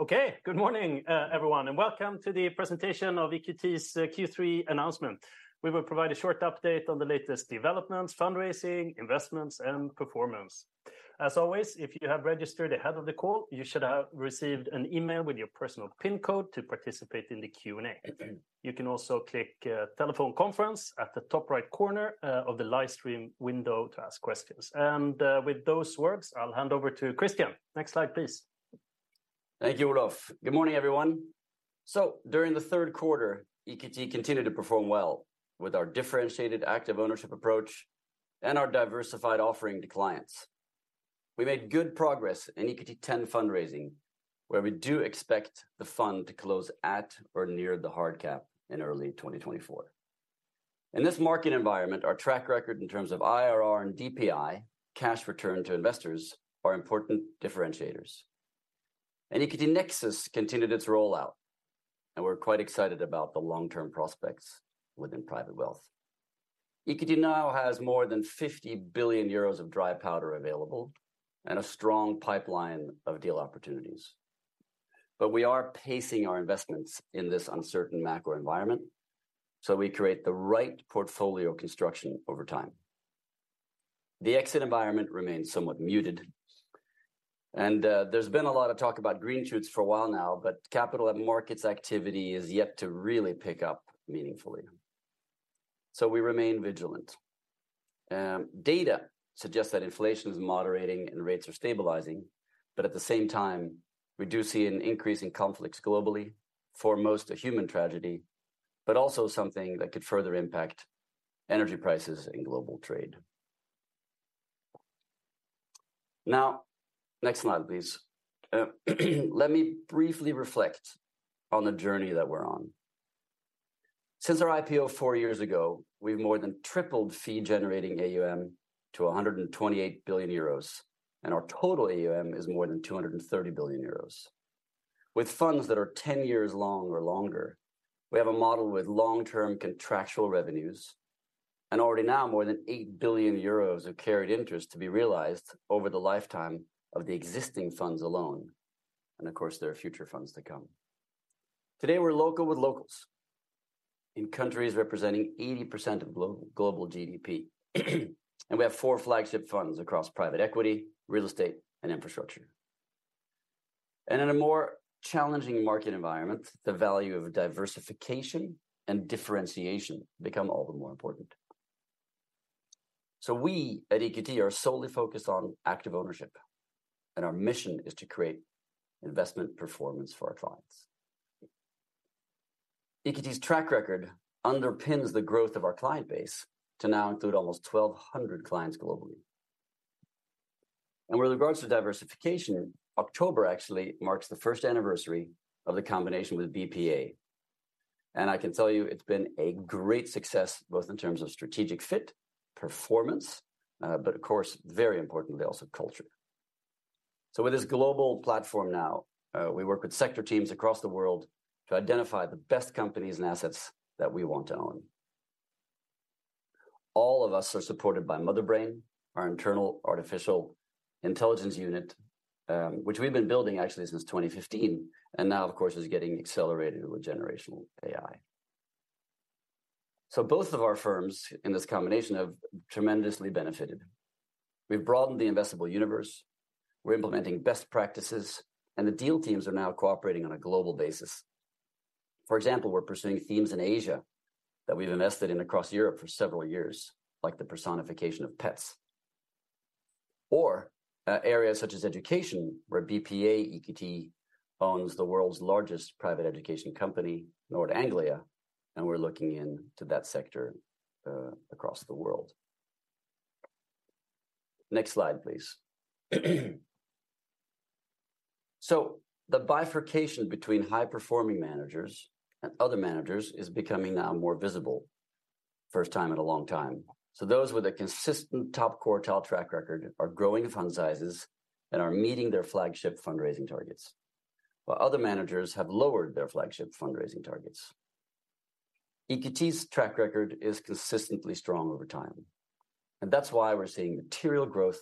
Okay, good morning, everyone, and welcome to the presentation of EQT's Q3 announcement. We will provide a short update on the latest developments, fundraising, investments, and performance. As always, if you have registered ahead of the call, you should have received an email with your personal PIN code to participate in the Q&A. You can also click telephone conference at the top right corner of the live stream window to ask questions. And with those words, I'll hand over to Christian. Next slide, please. Thank you, Olof. Good morning, everyone. So during the third quarter, EQT continued to perform well with our differentiated active ownership approach and our diversified offering to clients. We made good progress in EQT X fundraising, where we do expect the fund to close at or near the hard cap in early 2024. In this market environment, our track record in terms of IRR and DPI, cash return to investors, are important differentiators. And EQT Nexus continued its rollout, and we're quite excited about the long-term prospects within private wealth. EQT now has more than 50 billion euros of dry powder available and a strong pipeline of deal opportunities. But we are pacing our investments in this uncertain macro environment, so we create the right portfolio construction over time. The exit environment remains somewhat muted, and there's been a lot of talk about green shoots for a while now, but capital and markets activity is yet to really pick up meaningfully, so we remain vigilant. Data suggests that inflation is moderating and rates are stabilizing, but at the same time, we do see an increase in conflicts globally, foremost a human tragedy, but also something that could further impact energy prices and global trade. Now, next slide, please. Let me briefly reflect on the journey that we're on. Since our IPO four years ago, we've more than tripled fee-generating AUM to 128 billion euros, and our total AUM is more than 230 billion euros. With funds that are 10 years long or longer, we have a model with long-term contractual revenues and already now more than 8 billion euros of carried interest to be realized over the lifetime of the existing funds alone, and of course, there are Future funds to come. Today, we're local with locals in countries representing 80% of global GDP, and we have 4 flagship funds across private equity, real estate, and infrastructure. In a more challenging market environment, the value of diversification and differentiation become all the more important. So we at EQT are solely focused on active ownership, and our mission is to create investment performance for our clients. EQT's track record underpins the growth of our client base to now include almost 1,200 clients globally. With regards to diversification, October actually marks the first anniversary of the combination with BPEA. I can tell you it's been a great success, both in terms of strategic fit, performance, but of course, very importantly, also culture. So with this global platform now, we work with sector teams across the world to identify the best companies and assets that we want to own. All of us are supported by Motherbrain, our internal artificial intelligence unit, which we've been building actually since 2015, and now, of course, is getting accelerated with generative AI. So both of our firms in this combination have tremendously benefited. We've broadened the investable universe, we're implementing best practices, and the deal teams are now cooperating on a global basis. For example, we're pursuing themes in Asia that we've invested in across Europe for several years, like the personification of pets, or areas such as education, where BPEA EQT owns the world's largest private education company, Nord Anglia, and we're looking into that sector across the world. Next slide, please. So the bifurcation between high-performing managers and other managers is becoming now more visible, first time in a long time. So those with a consistent top quartile track record are growing fund sizes and are meeting their flagship fundraising targets, while other managers have lowered their flagship fundraising targets. EQT's track record is consistently strong over time, and that's why we're seeing material growth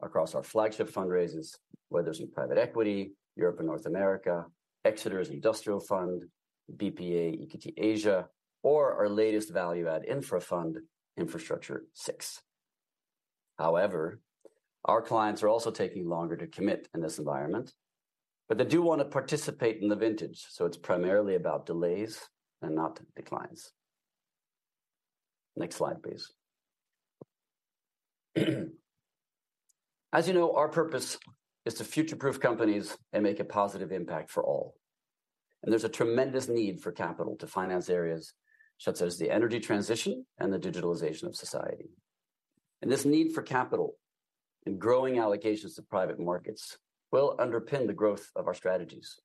across our flagship fundraisers, whether it's in private equity, Europe and North America, Exeter's Industrial Fund, BPEA EQT Asia, or our latest value add Infra fund, Infrastructure VI. However, our clients are also taking longer to commit in this environment, but they do want to participate in the vintage, so it's primarily about delays and not declines. Next slide, please. As you know, our purpose is to future-proof companies and make a positive impact for all, and there's a tremendous need for capital to finance areas such as the energy transition and the digitalization of society. This need for capital and growing allocations to private markets will underpin the growth of our strategies.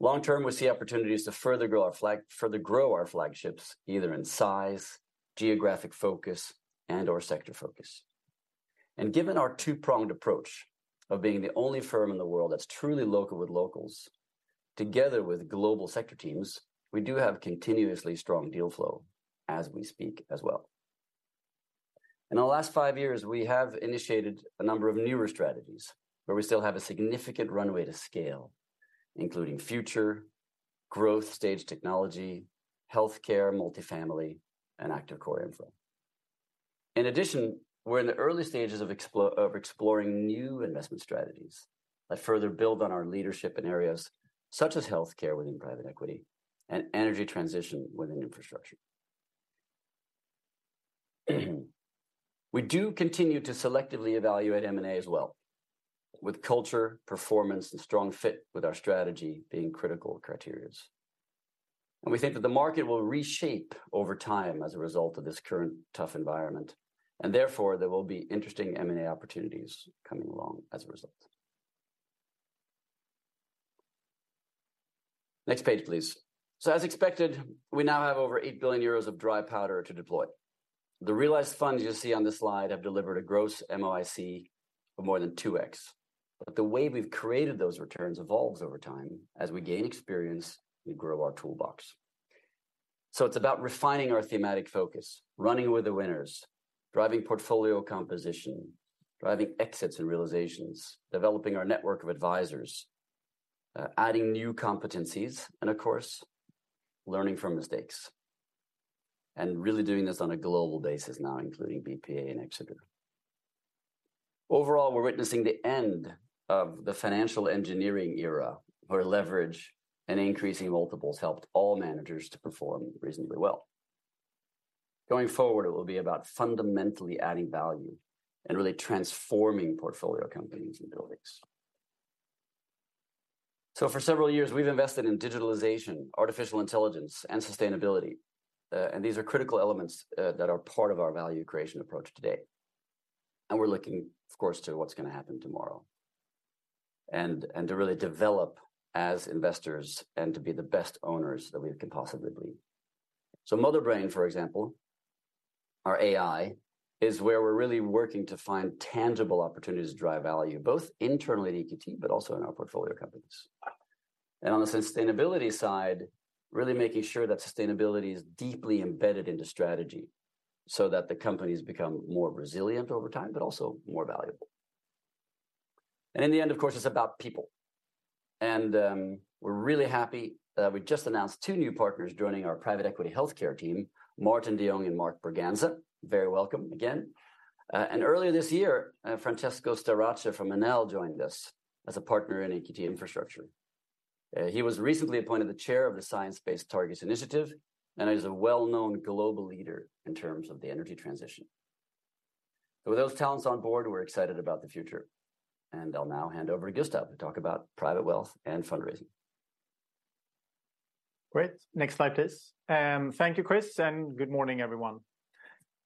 Long term, we see opportunities to further grow our flagships, either in size, geographic focus, and/or sector focus. Given our two-pronged approach of being the only firm in the world that's truly local with locals, together with global sector teams, we do have continuously strong deal flow as we speak as well. In the last five years, we have initiated a number of newer strategies, where we still have a significant runway to scale, including future, growth-stage technology, healthcare, multifamily, and Active Core Infra. In addition, we're in the early stages of exploring new investment strategies that further build on our leadership in areas such as healthcare within private equity and energy transition within infrastructure. We do continue to selectively evaluate M&A as well, with culture, performance, and strong fit with our strategy being critical criteria. And we think that the market will reshape over time as a result of this current tough environment, and therefore, there will be interesting M&A opportunities coming along as a result. Next page, please. So as expected, we now have over 8 billion euros of dry powder to deploy. The realized funds you see on this slide have delivered a gross MOIC of more than 2x. But the way we've created those returns evolves over time. As we gain experience, we grow our toolbox. So it's about refining our thematic focus, running with the winners, driving portfolio composition, driving exits and realizations, developing our network of advisors, adding new competencies, and of course, learning from mistakes. And really doing this on a global basis now, including BPEA and Exeter. Overall, we're witnessing the end of the financial engineering era, where leverage and increasing multiples helped all managers to perform reasonably well. Going forward, it will be about fundamentally adding value and really transforming portfolio companies and buildings. So for several years, we've invested in digitalization, artificial intelligence, and sustainability. And these are critical elements that are part of our value creation approach today, and we're looking, of course, to what's gonna happen tomorrow, and to really develop as investors and to be the best owners that we can possibly be. So Motherbrain, for example, our AI, is where we're really working to find tangible opportunities to drive value, both internally at EQT, but also in our portfolio companies. And on the sustainability side, really making sure that sustainability is deeply embedded in the strategy, so that the companies become more resilient over time, but also more valuable. And in the end, of course, it's about people, and we're really happy that we just announced two new partners joining our private equity healthcare team, Maarten de Jong and Mark Braganza. Very welcome again. Earlier this year, Francesco Starace from Enel joined us as a partner in EQT Infrastructure. He was recently appointed the chair of the Science Based Targets initiative, and he's a well-known global leader in terms of the energy transition. So with those talents on board, we're excited about the future, and I'll now hand over to Gustav to talk about private wealth and fundraising. Great. Next slide, please. Thank you, Chris, and good morning, everyone.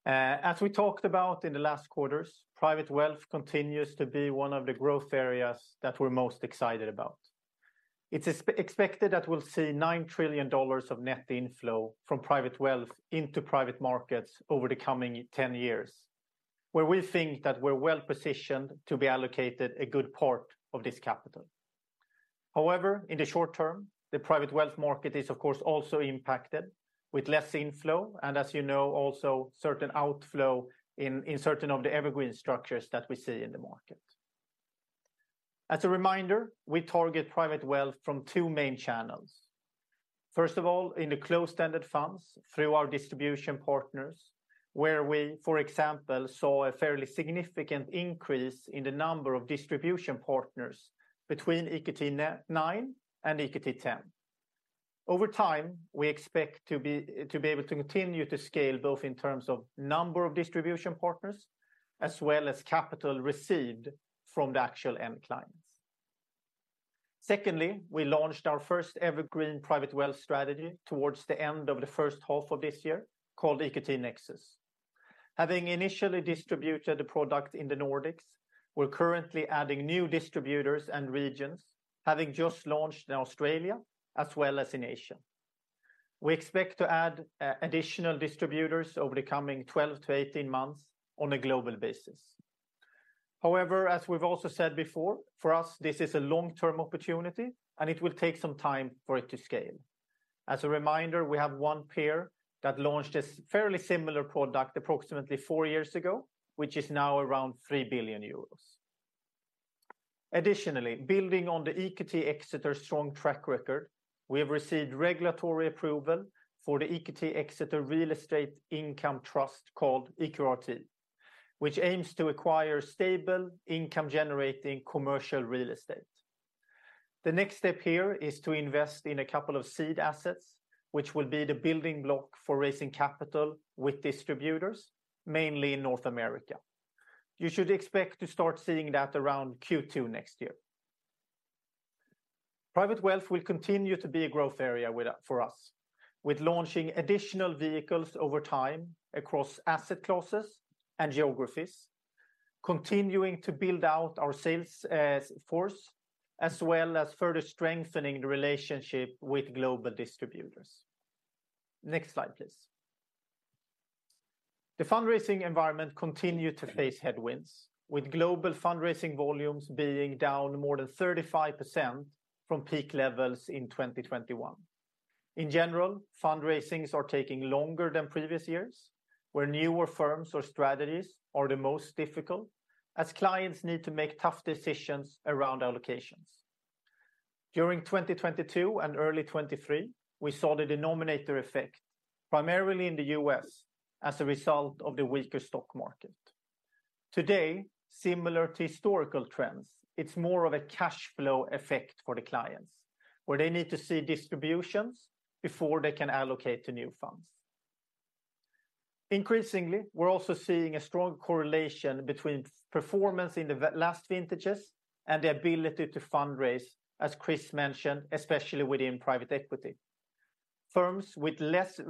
As we talked about in the last quarters, private wealth continues to be one of the growth areas that we're most excited about. It's expected that we'll see $9 trillion of net inflow from private wealth into private markets over the coming 10 years, where we think that we're well-positioned to be allocated a good part of this capital. However, in the short term, the private wealth market is, of course, also impacted with less inflow and, as you know, also certain outflow in certain of the evergreen structures that we see in the market. As a reminder, we target private wealth from two main channels. First of all, in the closed-ended funds, through our distribution partners, where we, for example, saw a fairly significant increase in the number of distribution partners between EQT IX and EQT X. Over time, we expect to be able to continue to scale, both in terms of number of distribution partners, as well as capital received from the actual end clients. Secondly, we launched our first evergreen private wealth strategy towards the end of the first half of this year, called EQT Nexus. Having initially distributed the product in the Nordics, we're currently adding new distributors and regions, having just launched in Australia as well as in Asia. We expect to add additional distributors over the coming 12-18 months on a global basis. However, as we've also said before, for us, this is a long-term opportunity, and it will take some time for it to scale. As a reminder, we have one peer that launched a fairly similar product approximately four years ago, which is now around 3 billion euros. Additionally, building on the EQT Exeter strong track record, we have received regulatory approval for the EQT Exeter Real Estate Income Trust, called EQRT, which aims to acquire stable, income-generating commercial real estate. The next step here is to invest in a couple of seed assets, which will be the building block for raising capital with distributors, mainly in North America. You should expect to start seeing that around Q2 next year. Private wealth will continue to be a growth area with that, for us, with launching additional vehicles over time across asset classes and geographies, continuing to build out our sales force, as well as further strengthening the relationship with global distributors. Next slide, please. The fundraising environment continued to face headwinds, with global fundraising volumes being down more than 35% from peak levels in 2021. In general, fundraisings are taking longer than previous years, where newer firms or strategies are the most difficult, as clients need to make tough decisions around allocations. During 2022 and early 2023, we saw the denominator effect, primarily in the U.S., as a result of the weaker stock market. Today, similar to historical trends, it's more of a cash flow effect for the clients, where they need to see distributions before they can allocate to new funds. Increasingly, we're also seeing a strong correlation between performance in the last vintages and the ability to fundraise, as Chris mentioned, especially within private equity. Firms with less,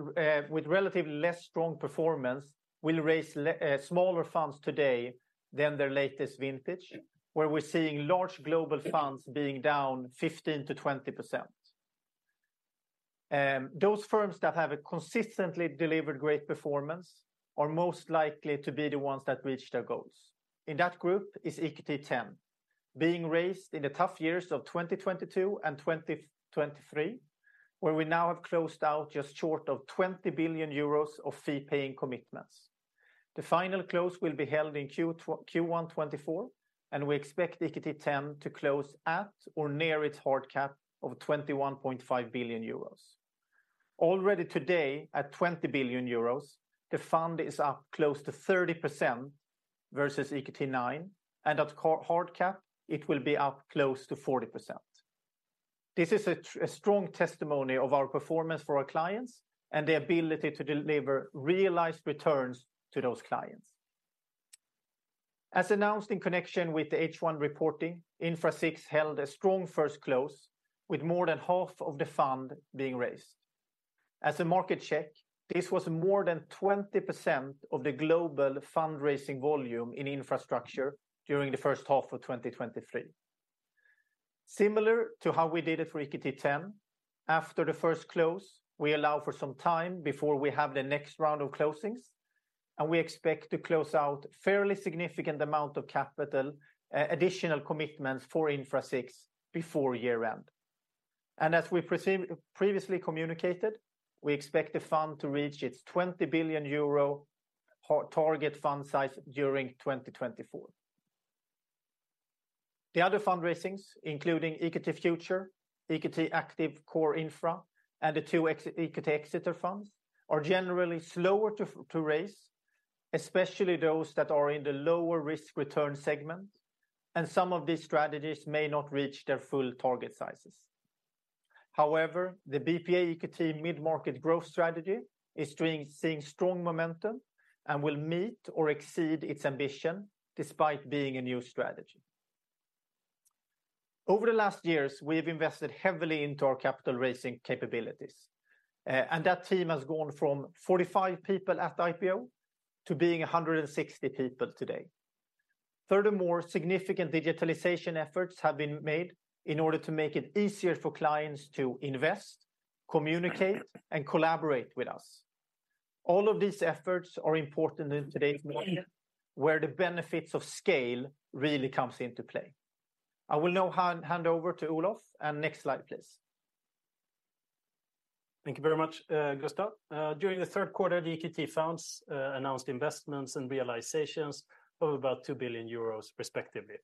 with relatively less strong performance will raise smaller funds today than their latest vintage, where we're seeing large global funds being down 15%-20%. Those firms that have consistently delivered great performance are most likely to be the ones that reach their goals. In that group is EQT X, being raised in the tough years of 2022 and 2023, where we now have closed out just short of 20 billion euros of fee-paying commitments. The final close will be held in Q1 2024, and we expect EQT X to close at or near its hard cap of 21.5 billion euros. Already today, at 20 billion euros, the fund is up close to 30% versus EQT IX, and at hard cap, it will be up close to 40%. This is a strong testimony of our performance for our clients and the ability to deliver realized returns to those clients. As announced in connection with the H1 reporting, Infra VI held a strong first close, with more than half of the fund being raised. As a market check, this was more than 20% of the global fundraising volume in infrastructure during the first half of 2023. Similar to how we did it for EQT X, after the first close, we allow for some time before we have the next round of closings, and we expect to close out fairly significant amount of capital, additional commitments for Infra VI before year-end. As we previously communicated, we expect the fund to reach its 20 billion euro target fund size during 2024. The other fundraisings, including EQT Future, EQT Active Core Infra, and the two EQT Exeter funds, are generally slower to raise, especially those that are in the lower risk-return segment, and some of these strategies may not reach their full target sizes. However, the BPEA EQT mid-market growth strategy is seeing strong momentum and will meet or exceed its ambition, despite being a new strategy. Over the last years, we've invested heavily into our capital-raising capabilities, and that team has gone from 45 people at IPO to being 160 people today. Furthermore, significant digitalization efforts have been made in order to make it easier for clients to invest, communicate, and collaborate with us. All of these efforts are important in today's market, where the benefits of scale really comes into play. I will now hand over to Olof, and next slide, please. Thank you very much, Gustav. During the third quarter, the EQT funds announced investments and realizations of about 2 billion euros, respectively.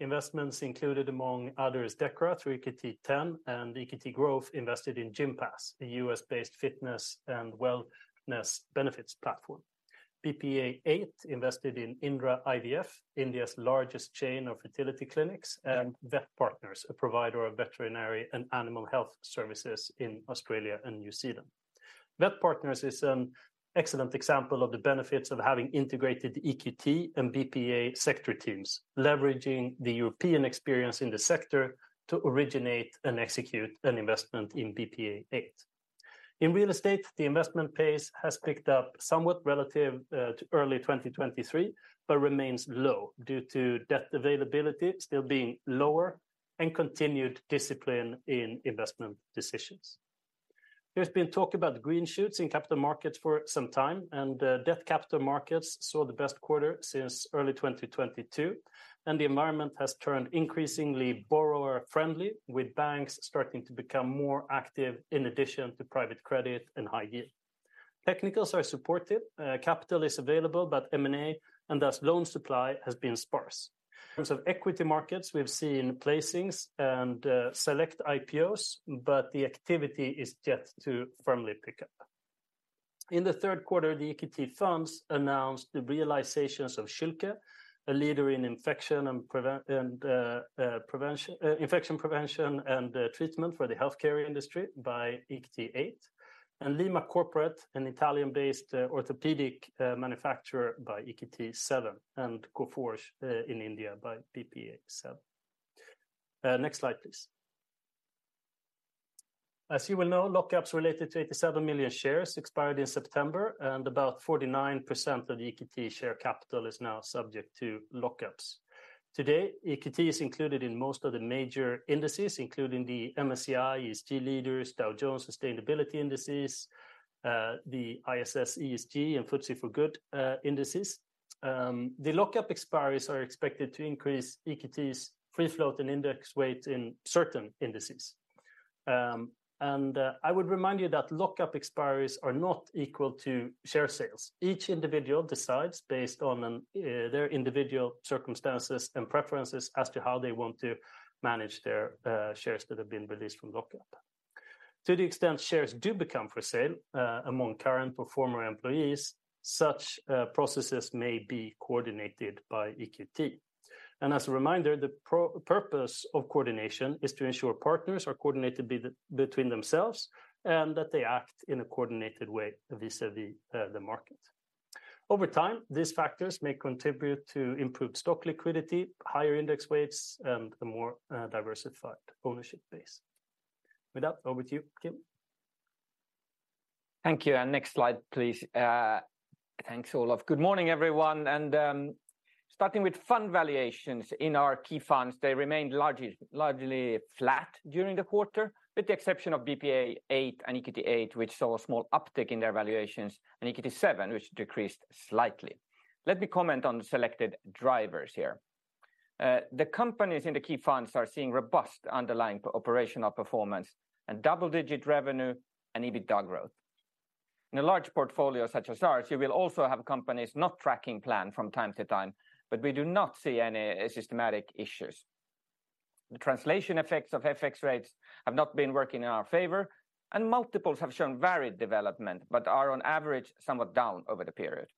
Investments included, among others, Dechra through EQT X, and EQT Growth invested in Gympass, a U.S.-based fitness and wellness benefits platform. BPEA VIII invested in Indira IVF, India's largest chain of fertility clinics, and VetPartners, a provider of veterinary and animal health services in Australia and New Zealand. VetPartners is an excellent example of the benefits of having integrated EQT and BPEA sector teams, leveraging the European experience in the sector to originate and execute an investment in BPEA VIII. In real estate, the investment pace has picked up somewhat relative to early 2023, but remains low due to debt availability still being lower and continued discipline in investment decisions. There's been talk about green shoots in capital markets for some time, and debt capital markets saw the best quarter since early 2022, and the environment has turned increasingly borrower-friendly, with banks starting to become more active in addition to private credit and high yield. Technicals are supportive. Capital is available, but M&A, and thus loan supply, has been sparse. In terms of equity markets, we've seen placings and select IPOs, but the activity is yet to firmly pick up. In the third quarter, the EQT funds announced the realizations of Schülke, a leader in infection prevention and treatment for the healthcare industry by EQT VIII, and LimaCorporate, an Italian-based orthopedic manufacturer by EQT VII, and Coforge in India, by BPEA VII. Next slide, please. As you well know, lock-ups related to 87 million shares expired in September, and about 49% of the EQT share capital is now subject to lock-ups. Today, EQT is included in most of the major indices, including the MSCI ESG Leaders, Dow Jones Sustainability Indices, the ISS ESG, and FTSE4Good Indices. The lock-up expiries are expected to increase EQT's free float and index weight in certain indices. And, I would remind you that lock-up expiries are not equal to share sales. Each individual decides based on, their individual circumstances and preferences as to how they want to manage their, shares that have been released from lock-up. To the extent shares do become for sale, among current or former employees, such, processes may be coordinated by EQT. As a reminder, the purpose of coordination is to ensure partners are coordinated between themselves, and that they act in a coordinated way vis-à-vis the market. Over time, these factors may contribute to improved stock liquidity, higher index weights, and a more diversified ownership base. With that, over to you, Kim. Thank you, and next slide, please. Thanks, Olof. Good morning, everyone, and starting with fund valuations in our key funds, they remained largely, largely flat during the quarter, with the exception of BPEA VIII and EQT VIII, which saw a small uptick in their valuations, and EQT VII, which decreased slightly. Let me comment on the selected drivers here. The companies in the key funds are seeing robust underlying operational performance and double-digit revenue and EBITDA growth. In a large portfolio such as ours, you will also have companies not tracking plan from time to time, but we do not see any systematic issues. The translation effects of FX rates have not been working in our favor, and multiples have shown varied development, but are on average, somewhat down over the period.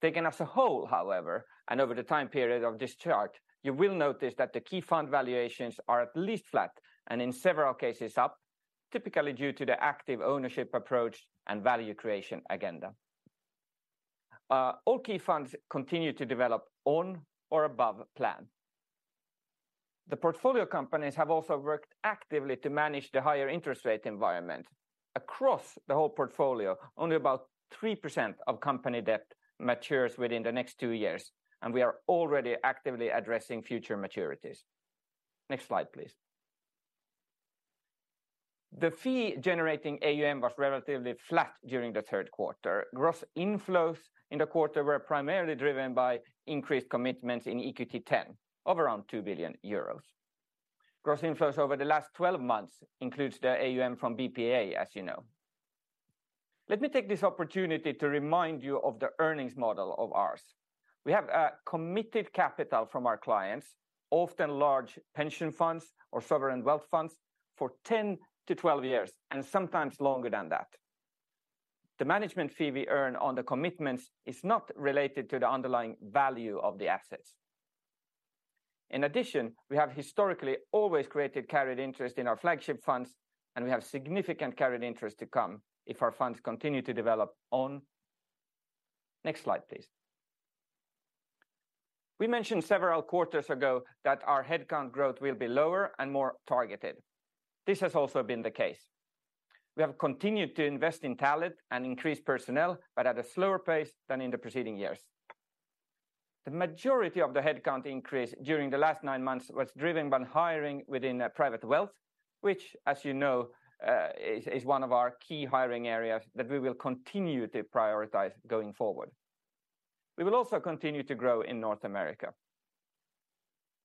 Taken as a whole, however, and over the time period of this chart, you will notice that the key fund valuations are at least flat, and in several cases up, typically due to the active ownership approach and value creation agenda. All key funds continue to develop on or above plan. The portfolio companies have also worked actively to manage the higher interest rate environment. Across the whole portfolio, only about 3% of company debt matures within the next two years, and we are already actively addressing future maturities. Next slide, please. The fee-generating AUM was relatively flat during the third quarter. Gross inflows in the quarter were primarily driven by increased commitments in EQT X of around 2 billion euros. Gross inflows over the last 12 months includes the AUM from BPEA, as you know. Let me take this opportunity to remind you of the earnings model of ours. We have committed capital from our clients, often large pension funds or sovereign wealth funds, for 10-12 years, and sometimes longer than that. The management fee we earn on the commitments is not related to the underlying value of the assets. In addition, we have historically always created carried interest in our flagship funds, and we have significant carried interest to come if our funds continue to develop on... Next slide, please. We mentioned several quarters ago that our headcount growth will be lower and more targeted. This has also been the case. We have continued to invest in talent and increase personnel, but at a slower pace than in the preceding years. The majority of the headcount increase during the last nine months was driven by hiring within private wealth, which, as you know, is one of our key hiring areas that we will continue to prioritize going forward. We will also continue to grow in North America.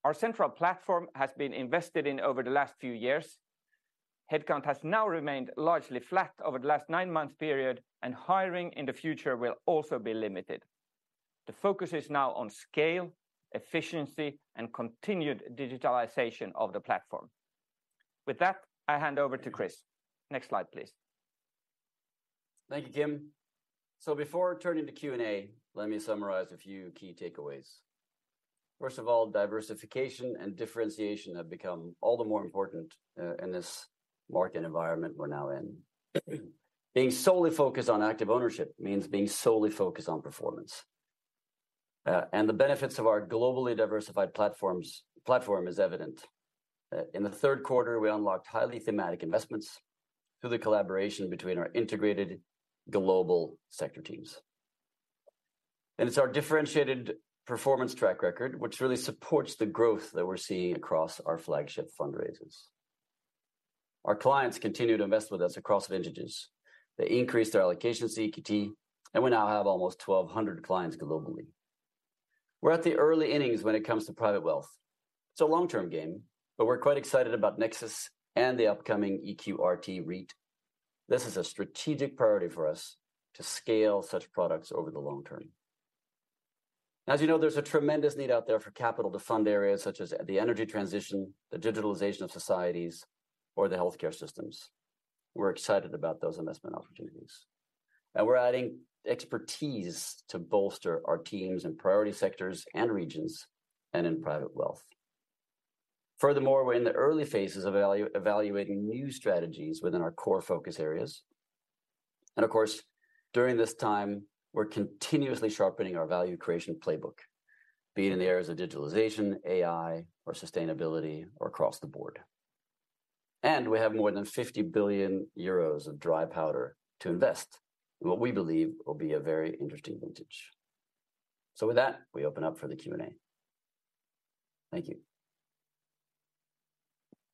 Our central platform has been invested in over the last few years. Headcount has now remained largely flat over the last nine-month period, and hiring in the future will also be limited. The focus is now on scale, efficiency, and continued digitalization of the platform. With that, I hand over to Chris. Next slide, please. Thank you, Kim. So before turning to Q&A, let me summarize a few key takeaways. First of all, diversification and differentiation have become all the more important in this market environment we're now in. Being solely focused on active ownership means being solely focused on performance. And the benefits of our globally diversified platforms, platform is evident. In the third quarter, we unlocked highly thematic investments through the collaboration between our integrated global sector teams. And it's our differentiated performance track record, which really supports the growth that we're seeing across our flagship fundraisers. Our clients continue to invest with us across vintages. They increased their allocations to EQT, and we now have almost 1,200 clients globally. We're at the early innings when it comes to private wealth. It's a long-term game, but we're quite excited about Nexus and the upcoming EQRT REIT. This is a strategic priority for us to scale such products over the long term. As you know, there's a tremendous need out there for capital to fund areas such as the energy transition, the digitalization of societies, or the healthcare systems. We're excited about those investment opportunities, and we're adding expertise to bolster our teams in priority sectors and regions and in private wealth. Furthermore, we're in the early phases of evaluating new strategies within our core focus areas. Of course, during this time, we're continuously sharpening our value creation playbook, be it in the areas of digitalization, AI, or sustainability, or across the board. We have more than 50 billion euros of dry powder to invest in what we believe will be a very interesting vintage. With that, we open up for the Q&A. Thank you....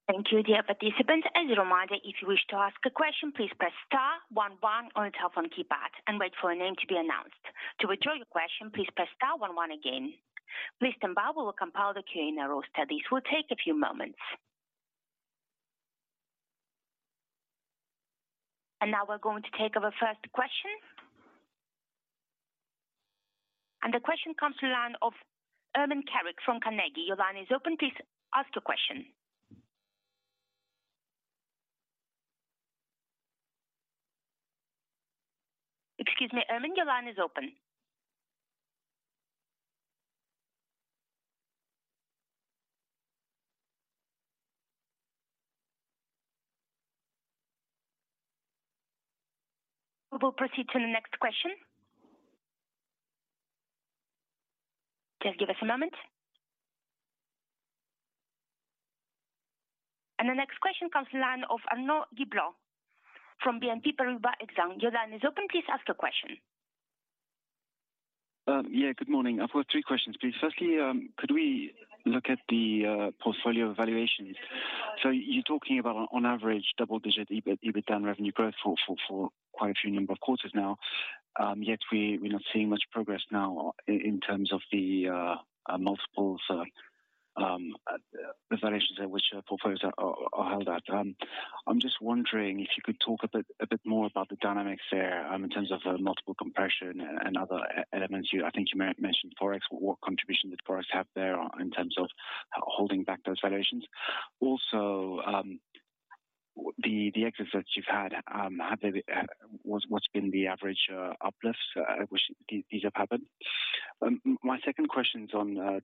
Thank you, dear participants. As a reminder, if you wish to ask a question, please press star one one on your telephone keypad and wait for your name to be announced. To withdraw your question, please press star one one again. Please stand by. We will compile the Q&A roster. This will take a few moments. Now we're going to take our first question. The question comes to the line of Ermin Keric from Carnegie. Your line is open. Please ask your question. Excuse me, Ermin, your line is open. We will proceed to the next question. Just give us a moment. The next question comes to the line of Arnaud Giblat from BNP Paribas Exane. Your line is open. Please ask your question. Yeah, good morning. I've got three questions, please. Firstly, could we look at the portfolio valuations? So you're talking about on average double-digit EBIT, EBITDA, and revenue growth for quite a few number of quarters now, yet we're not seeing much progress now in terms of the multiples, the valuations at which our portfolios are held at. I'm just wondering if you could talk a bit more about the dynamics there in terms of the multiple compression and other elements. I think you mentioned Forex. What contribution did Forex have there in terms of holding back those valuations? Also, the exits that you've had, have they... What's been the average uplift which these have happened? My second question's on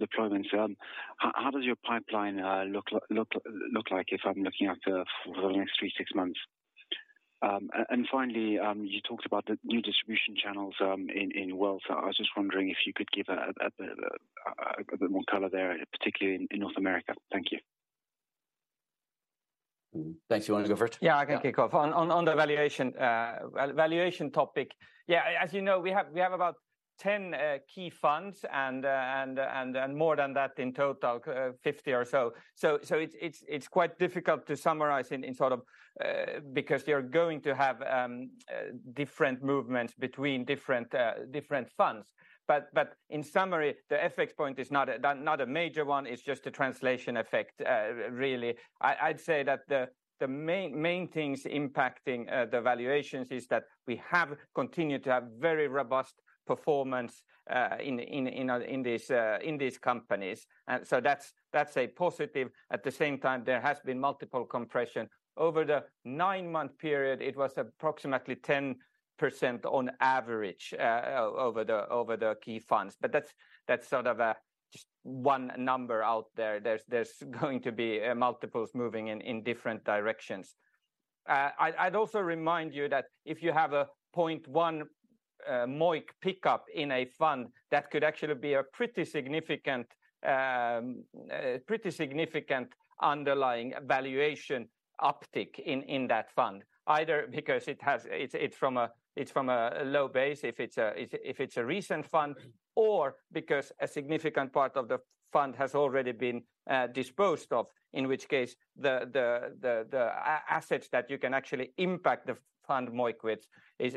deployments. How does your pipeline look like if I'm looking at the for the next three to six months? And finally, you talked about the new distribution channels in wealth. I was just wondering if you could give a bit more color there, particularly in North America. Thank you. Thanks. You want to go for it? Yeah, I can kick off. Yeah. On the valuation topic, yeah, as you know, we have about 10 key funds and more than that in total, 50 or so. So it's quite difficult to summarize in sort of... Because they are going to have different movements between different funds. But in summary, the FX point is not a major one. It's just a translation effect, really. I'd say that the main things impacting the valuations is that we have continued to have very robust performance in these companies. So that's a positive. At the same time, there has been multiple compression. Over the nine-month period, it was approximately 10% on average over the key funds. But that's sort of just one number out there. There's going to be multiples moving in different directions. I'd also remind you that if you have a 0.1 MOIC pickup in a fund, that could actually be a pretty significant underlying valuation uptick in that fund. Either because it has... It's from a low base if it's a recent fund, or because a significant part of the fund has already been disposed of, in which case the assets that you can actually impact the fund MOIC with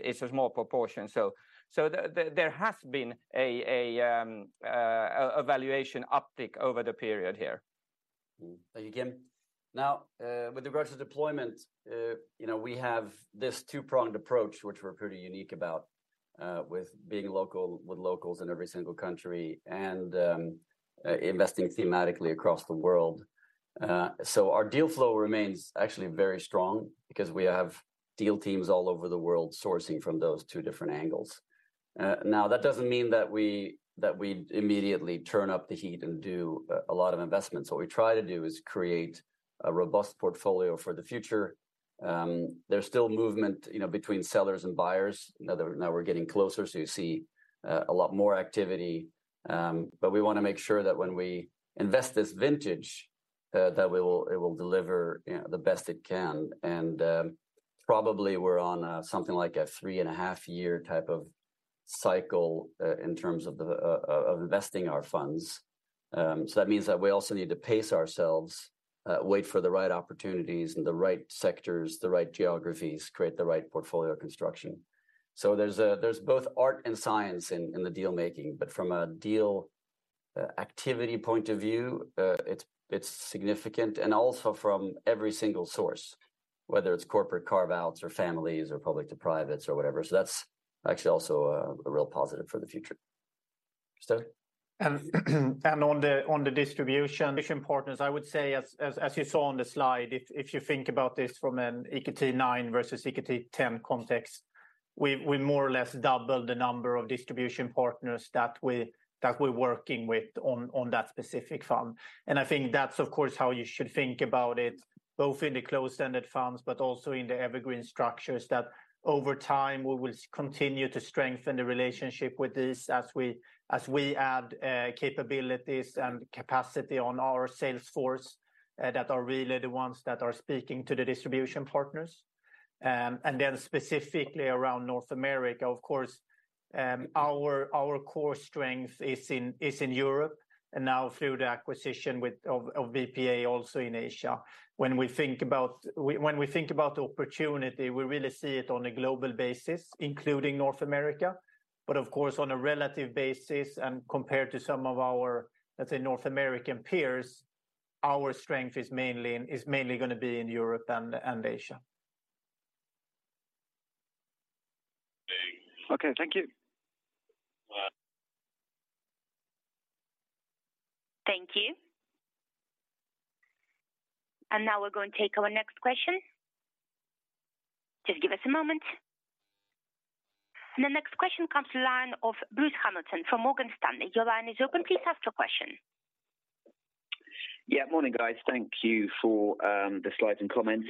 is a small proportion. So there has been a valuation uptick over the period here. Mm-hmm. Thank you, Kim. Now, with regards to deployment, you know, we have this two-pronged approach, which we're pretty unique about, with being local, with locals in every single country and, investing thematically across the world. So our deal flow remains actually very strong because we have deal teams all over the world sourcing from those two different angles. Now, that doesn't mean that we immediately turn up the heat and do a lot of investments. What we try to do is create a robust portfolio for the future. There's still movement, you know, between sellers and buyers. Now that we're getting closer, so you see a lot more activity. But we wanna make sure that when we invest this vintage, that it will deliver, you know, the best it can. Probably we're on something like a 3.5-year type of cycle in terms of the of investing our funds. So that means that we also need to pace ourselves, wait for the right opportunities and the right sectors, the right geographies, create the right portfolio construction. So there's both art and science in the deal making, but from a deal activity point of view, it's significant and also from every single source, whether it's corporate carve-outs or families or public to privates or whatever. So that's actually also a real positive for the future. Stefan? On the distribution partners, I would say as you saw on the slide, if you think about this from an EQT IX versus EQT X context, we more or less doubled the number of distribution partners that we're working with on that specific fund. And I think that's of course how you should think about it, both in the closed-ended funds, but also in the evergreen structures, that over time we will continue to strengthen the relationship with these as we add capabilities and capacity on our sales force that are really the ones that are speaking to the distribution partners. And then specifically around North America, of course, our core strength is in Europe, and now through the acquisition of BPEA, also in Asia. When we think about the opportunity, we really see it on a global basis, including North America. But of course, on a relative basis and compared to some of our, let's say, North American peers, our strength is mainly gonna be in Europe and Asia.... Okay, thank you. Thank you. And now we're going to take our next question. Just give us a moment. And the next question comes to the line of Bruce Hamilton from Morgan Stanley. Your line is open. Please ask your question. Yeah, morning, guys. Thank you for the slides and comments.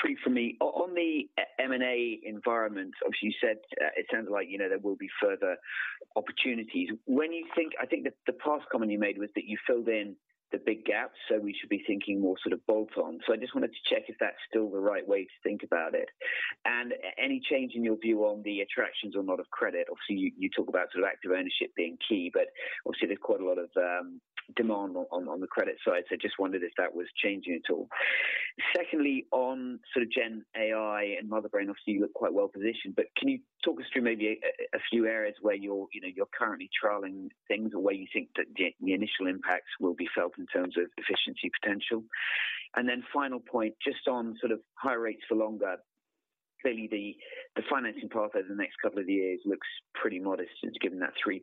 Three from me. On the M&A environment, obviously, you said it sounds like, you know, there will be further opportunities. When you think, I think the past comment you made was that you filled in the big gaps, so we should be thinking more sort of bolt-on. So I just wanted to check if that's still the right way to think about it. And any change in your view on the attractions or not of credit? Obviously, you talk about sort of active ownership being key, but obviously, there's quite a lot of demand on the credit side, so just wondered if that was changing at all. Secondly, on sort of Gen AI and Motherbrain, obviously, you look quite well positioned, but can you talk us through maybe a few areas where you're, you know, you're currently trialing things or where you think that the initial impacts will be felt in terms of efficiency potential? And then final point, just on sort of higher rates for longer, clearly, the financing path over the next couple of years looks pretty modest since given that 3%.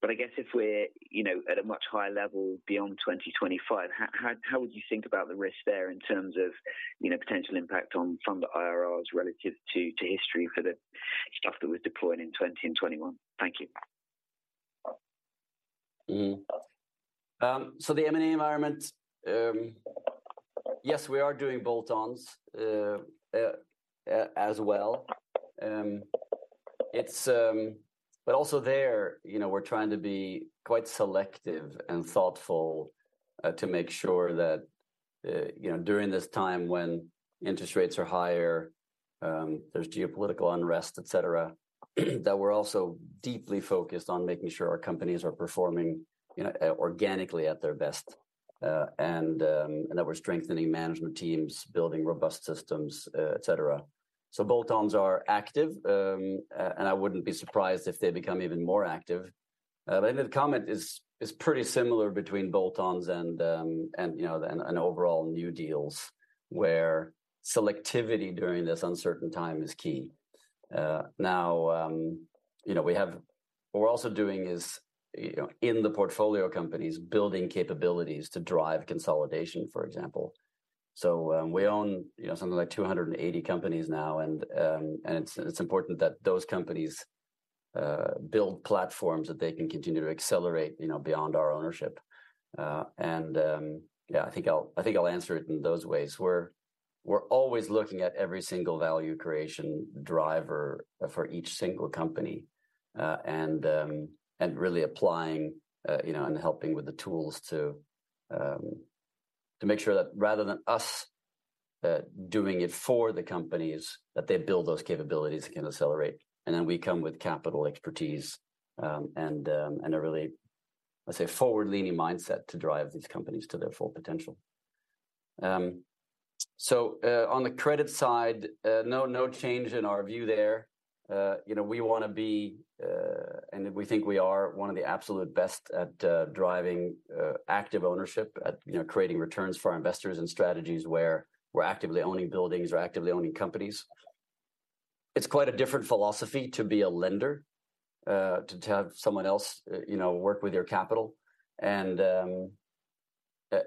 But I guess if we're, you know, at a much higher level beyond 2025, how would you think about the risk there in terms of, you know, potential impact on from the IRRs relative to, to history for the stuff that was deployed in 20 and 21? Thank you. Mm-hmm. So the M&A environment, yes, we are doing bolt-ons, as well. It's. But also there, you know, we're trying to be quite selective and thoughtful, to make sure that, you know, during this time when interest rates are higher, there's geopolitical unrest, et cetera, that we're also deeply focused on making sure our companies are performing, you know, organically at their best, and, and that we're strengthening management teams, building robust systems, et cetera. So bolt-ons are active, and I wouldn't be surprised if they become even more active. But I think the comment is pretty similar between bolt-ons and, you know, and overall new deals, where selectivity during this uncertain time is key. Now, you know, we have what we're also doing is, you know, in the portfolio companies, building capabilities to drive consolidation, for example. So, we own, you know, something like 280 companies now, and it's important that those companies build platforms that they can continue to accelerate, you know, beyond our ownership. And, yeah, I think I'll answer it in those ways. We're always looking at every single value creation driver for each single company, and, and really applying, you know, and helping with the tools to, to make sure that rather than us, doing it for the companies, that they build those capabilities that can accelerate, and then we come with capital expertise, and, and a really, let's say, forward-leaning mindset to drive these companies to their full potential. So, on the credit side, no, no change in our view there. You know, we wanna be, and we think we are one of the absolute best at, driving, active ownership, at, you know, creating returns for our investors and strategies where we're actively owning buildings or actively owning companies. It's quite a different philosophy to be a lender, to have someone else, you know, work with your capital. And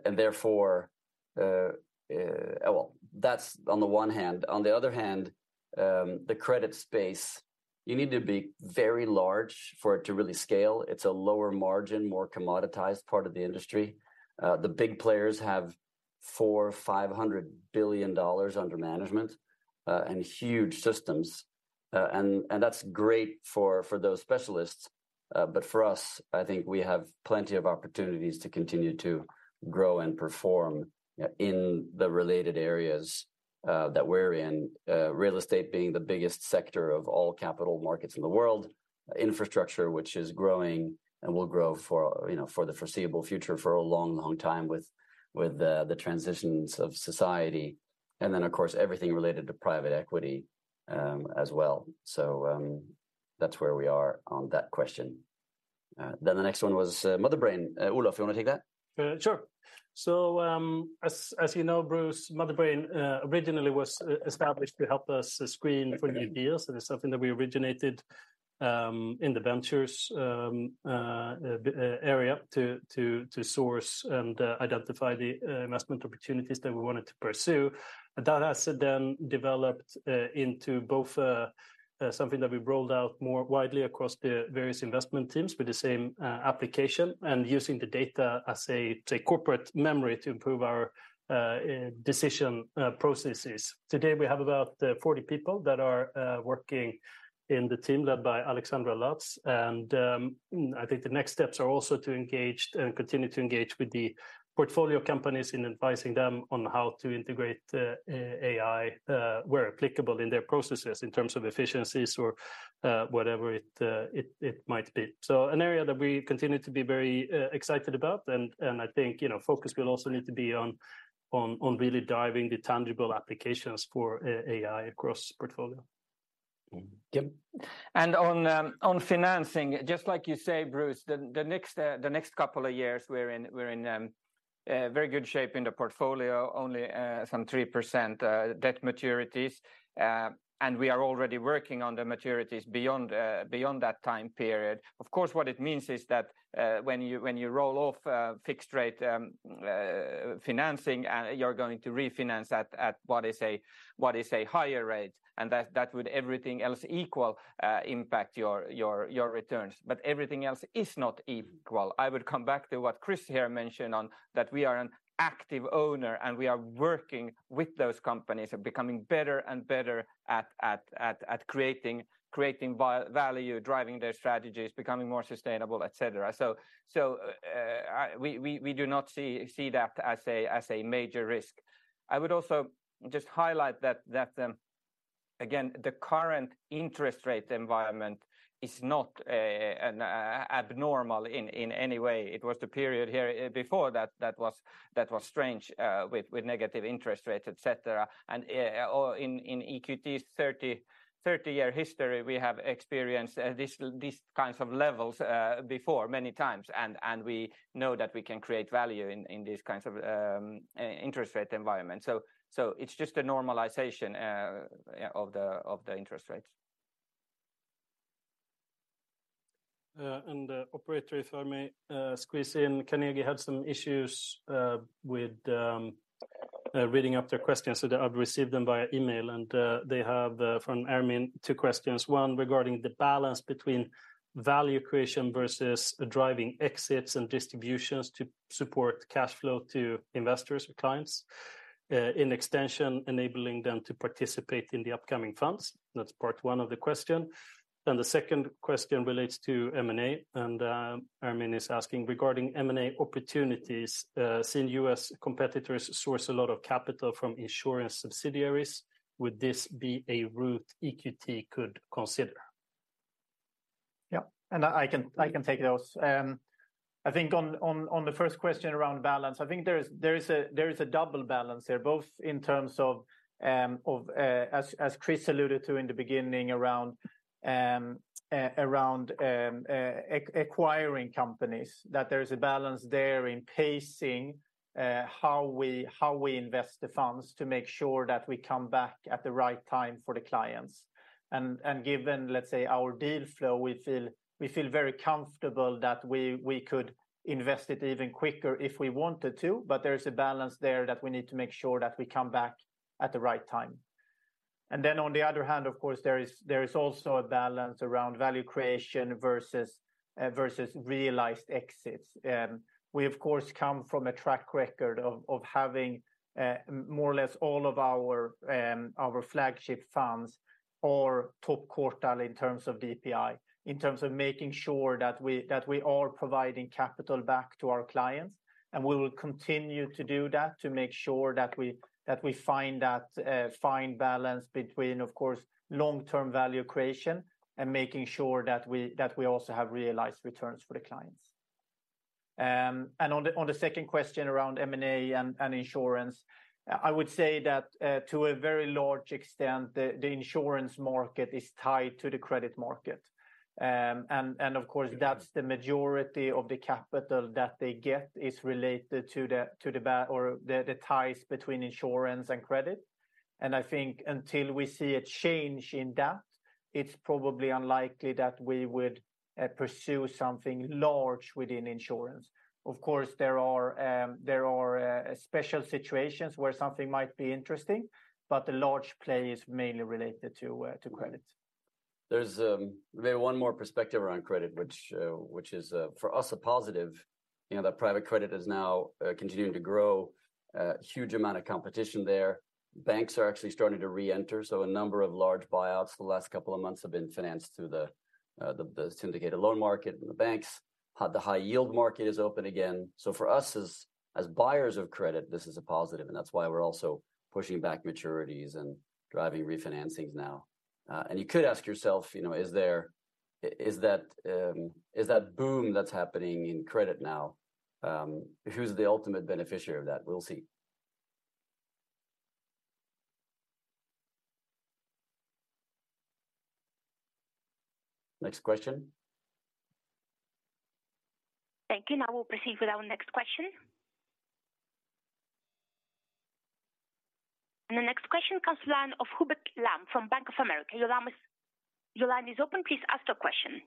therefore, well, that's on the one hand. On the other hand, the credit space, you need to be very large for it to really scale. It's a lower margin, more commoditized part of the industry. The big players have $400 billion-$500 billion under management, and huge systems, and that's great for those specialists. But for us, I think we have plenty of opportunities to continue to grow and perform, in the related areas, that we're in. Real estate being the biggest sector of all capital markets in the world. Infrastructure, which is growing and will grow for, you know, for the foreseeable future, for a long, long time with the transitions of society, and then, of course, everything related to private equity, as well. So, that's where we are on that question. Then the next one was Motherbrain. Olof, you wanna take that? Sure. So, as you know, Bruce, Motherbrain originally was established to help us screen for new ideas, and it's something that we originated in the ventures area to source and identify the investment opportunities that we wanted to pursue. That has then developed into both something that we've rolled out more widely across the various investment teams with the same application, and using the data as a corporate memory to improve our decision processes. Today, we have about 40 people that are working in the team led by Alexandra Lutz. And, I think the next steps are also to engage and continue to engage with the portfolio companies in advising them on how to integrate AI, where applicable in their processes, in terms of efficiencies or, whatever it might be. So an area that we continue to be very excited about, and I think, you know, focus will also need to be on really driving the tangible applications for AI across portfolio. Mm-hmm. Yep. On financing, just like you say, Bruce, the next couple of years we're in very good shape in the portfolio, only some 3% debt maturities. And we are already working on the maturities beyond that time period. Of course, what it means is that when you roll off fixed rate financing and you're going to refinance at what is a higher rate, and that would everything else equal impact your returns. But everything else is not equal. I would come back to what Chris here mentioned on, that we are an active owner, and we are working with those companies and becoming better and better at creating value, driving their strategies, becoming more sustainable, et cetera. So, we do not see that as a major risk. I would also just highlight that, again, the current interest rate environment is not an abnormal in any way. It was the period here before that that was strange with negative interest rates, et cetera. And, in EQT's thirty-year history, we have experienced these kinds of levels before many times, and we know that we can create value in these kinds of interest rate environment. It's just a normalization, yeah, of the interest rates. Operator, if I may, squeeze in. Carnegie had some issues with reading up their questions, so I've received them via email, and they have from Ermin, two questions. One regarding the balance between value creation versus driving exits and distributions to support cash flow to investors or clients, in extension, enabling them to participate in the upcoming funds. That's part one of the question. The second question relates to M&A, and Ermin is asking, regarding M&A opportunities, since U.S. competitors source a lot of capital from insurance subsidiaries, would this be a route EQT could consider? Yeah, and I can, I can take those. I think on, on, on the first question around balance, I think there is, there is a, there is a double balance here, both in terms of, of, as, as Chris alluded to in the beginning around, around, acquiring companies. That there is a balance there in pacing, how we, how we invest the funds to make sure that we come back at the right time for the clients. And, and given, let's say, our deal flow, we feel, we feel very comfortable that we, we could invest it even quicker if we wanted to, but there is a balance there that we need to make sure that we come back at the right time. And then on the other hand, of course, there is also a balance around value creation versus realized exits. We, of course, come from a track record of having more or less all of our flagship funds or top quartile in terms of DPI, in terms of making sure that we are providing capital back to our clients, and we will continue to do that to make sure that we find that fine balance between, of course, long-term value creation and making sure that we also have realized returns for the clients. On the second question around M&A and insurance, I would say that to a very large extent, the insurance market is tied to the credit market. Of course, that's the majority of the capital that they get is related to the ties between insurance and credit. I think until we see a change in that, it's probably unlikely that we would pursue something large within insurance. Of course, there are special situations where something might be interesting, but the large play is mainly related to credit. There's maybe one more perspective around credit, which is for us a positive, you know, that private credit is now continuing to grow, huge amount of competition there. Banks are actually starting to reenter, so a number of large buyouts the last couple of months have been financed through the syndicated loan market and the banks. The high yield market is open again. So for us as buyers of credit, this is a positive, and that's why we're also pushing back maturities and driving refinancings now. And you could ask yourself, you know, is there... Is that boom that's happening in credit now, who's the ultimate beneficiary of that? We'll see. Next question. Thank you. Now we'll proceed with our next question. And the next question comes the line of Hubert Lam from Bank of America. Your line is, your line is open. Please ask your question.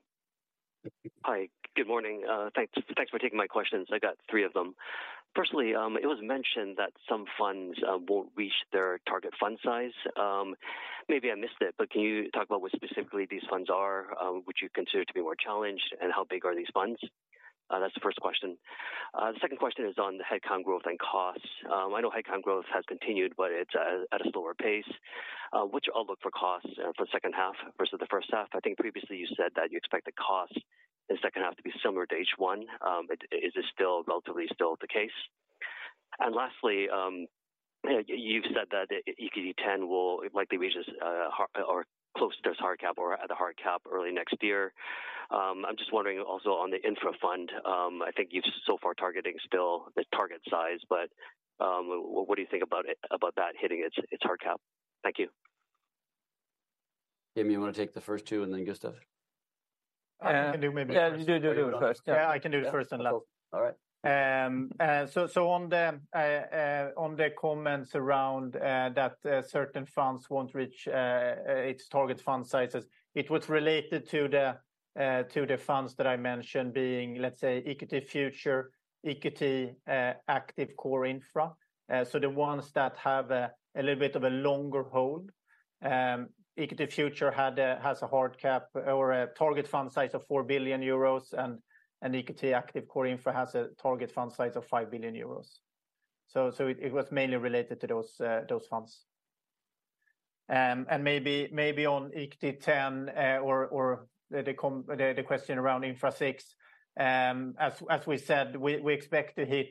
Hi, good morning. Thanks, thanks for taking my questions. I got three of them. Firstly, it was mentioned that some funds won't reach their target fund size. Maybe I missed it, but can you talk about what specifically these funds are, would you consider to be more challenged, and how big are these funds? That's the first question. The second question is on the head count growth and costs. I know head count growth has continued, but it's at a slower pace. Which outlook for costs for the second half versus the first half? I think previously you said that you expect the cost in second half to be similar to H1. Is this still relatively still the case? Lastly, you've said that EQT X will likely reach its hard cap or close to its hard cap or at the hard cap early next year. I'm just wondering also on the Infra fund. I think you're so far targeting still the target size, but what do you think about that hitting its hard cap? Thank you.... Jimmy, you want to take the first two and then Gustav? I can do maybe- Yeah, you do, do it first. Yeah, I can do it first and last. All right. So, on the comments around that certain funds won't reach its target fund sizes, it was related to the funds that I mentioned being, let's say, EQT Future, EQT Active Core Infra. So the ones that have a little bit of a longer hold, EQT Future has a hard cap or a target fund size of 4 billion euros and EQT Active Core Infra has a target fund size of 5 billion euros. So it was mainly related to those funds. And maybe on EQT X, or the question around Infra VI, as we said, we expect to hit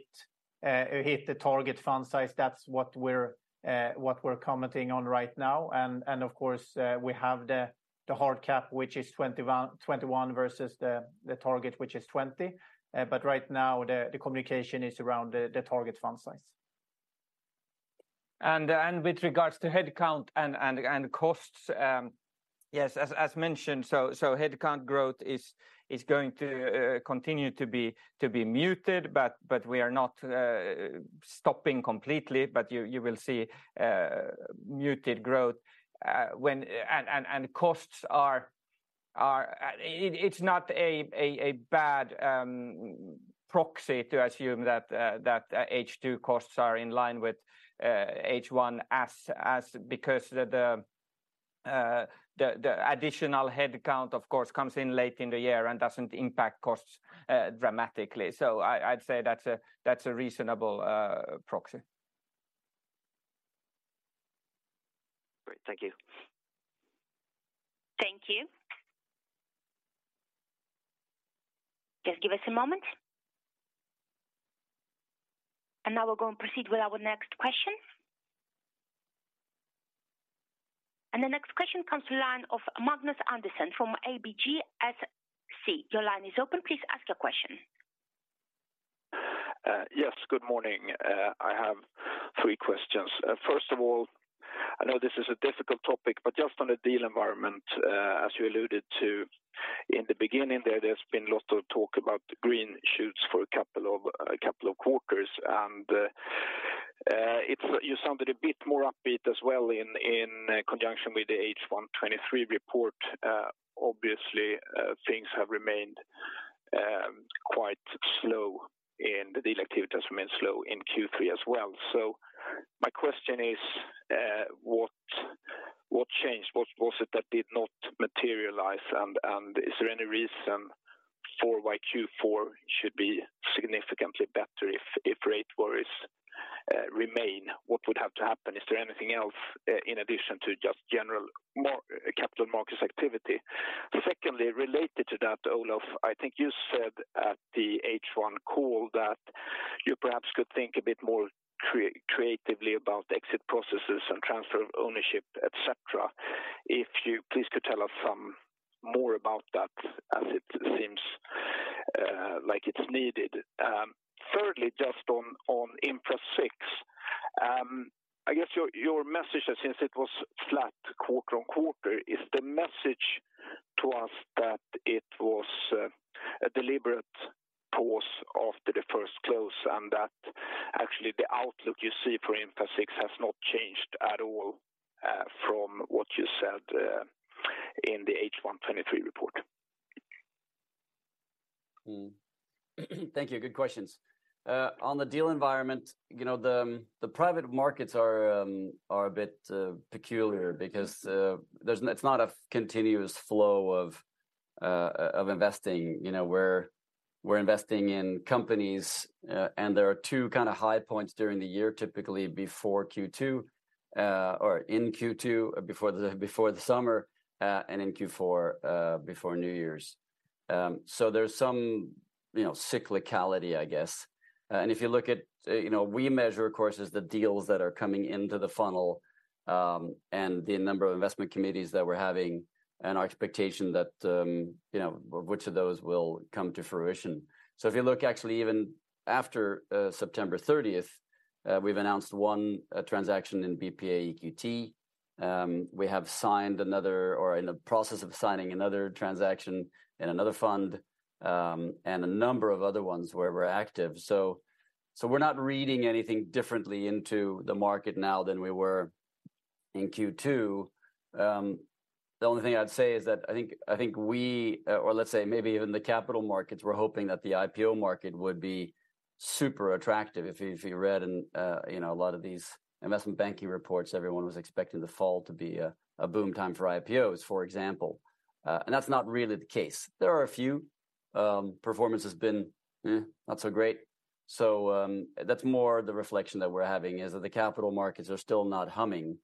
the target fund size. That's what we're commenting on right now. And of course, we have the hard cap, which is 21, 21 versus the target, which is 20. But right now the communication is around the target fund size. And with regards to headcount and costs, yes, as mentioned, so headcount growth is going to continue to be muted, but we are not stopping completely. But you will see muted growth when... And costs are, it's not a bad proxy to assume that H2 costs are in line with H1 because the additional headcount, of course, comes in late in the year and doesn't impact costs dramatically. So I'd say that's a reasonable proxy. Great, thank you. Thank you. Just give us a moment. And now we're going to proceed with our next question. And the next question comes to line of Magnus Andersson from ABGSC. Your line is open. Please ask your question. Yes, good morning. I have three questions. First of all, I know this is a difficult topic, but just on the deal environment, as you alluded to in the beginning, there, there's been lots of talk about green shoots for a couple of quarters, and, it's-- you sounded a bit more upbeat as well in conjunction with the H1 2023 report. Obviously, things have remained quite slow in the deal activity has remained slow in Q3 as well. So my question is, what changed? What was it that did not materialize? And is there any reason for why Q4 should be significantly better if rate worries remain, what would have to happen? Is there anything else in addition to just general market capital markets activity? Secondly, related to that, Olof, I think you said at the H1 call that you perhaps could think a bit more creatively about exit processes and transfer of ownership, et cetera. If you please, could tell us some more about that, as it seems like it's needed. Thirdly, just on Infra VI, I guess your message, since it was flat quarter-on-quarter, is the message to us that it was a deliberate pause after the first close, and that actually the outlook you see for Infra VI has not changed at all, from what you said, in the H1 2023 report. Mm-hmm. Thank you. Good questions. On the deal environment, you know, the private markets are a bit peculiar because there's... It's not a continuous flow of investing. You know, we're investing in companies, and there are two kind of high points during the year, typically before Q2 or in Q2, before the summer, and in Q4 before New Year's. So there's some, you know, cyclicality, I guess. And if you look at, you know, we measure, of course, the deals that are coming into the funnel, and the number of investment committees that we're having and our expectation that, you know, which of those will come to fruition. So if you look actually even after September thirtieth, we've announced one transaction in BPEA EQT. We have signed another or in the process of signing another transaction in another fund, and a number of other ones where we're active. So we're not reading anything differently into the market now than we were in Q2. The only thing I'd say is that I think we, or let's say maybe even the capital markets, were hoping that the IPO market would be super attractive. If you read and, you know, a lot of these investment banking reports, everyone was expecting the fall to be a boom time for IPOs, for example. And that's not really the case. There are a few, performance has been not so great. So that's more the reflection that we're having, is that the capital markets are still not humming.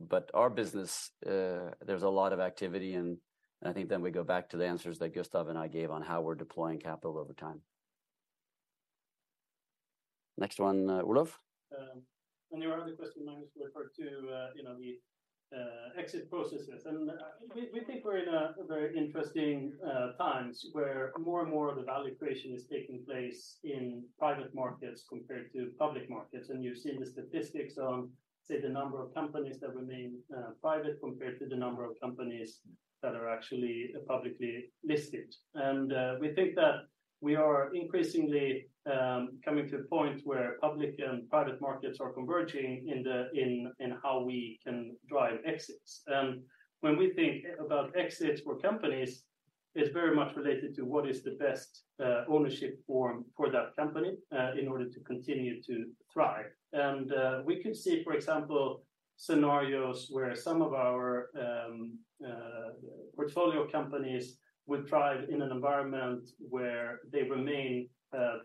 But our business, there's a lot of activity, and I think then we go back to the answers that Gustav and I gave on how we're deploying capital over time.... Next one, Olof? On your other question, I just referred to, you know, the exit processes. We think we're in a very interesting times where more and more of the value creation is taking place in private markets compared to public markets. You've seen the statistics on, say, the number of companies that remain private compared to the number of companies that are actually publicly listed. We think that we are increasingly coming to a point where public and private markets are converging in how we can drive exits. When we think about exits for companies, it's very much related to what is the best ownership form for that company in order to continue to thrive. We could see, for example, scenarios where some of our portfolio companies would thrive in an environment where they remain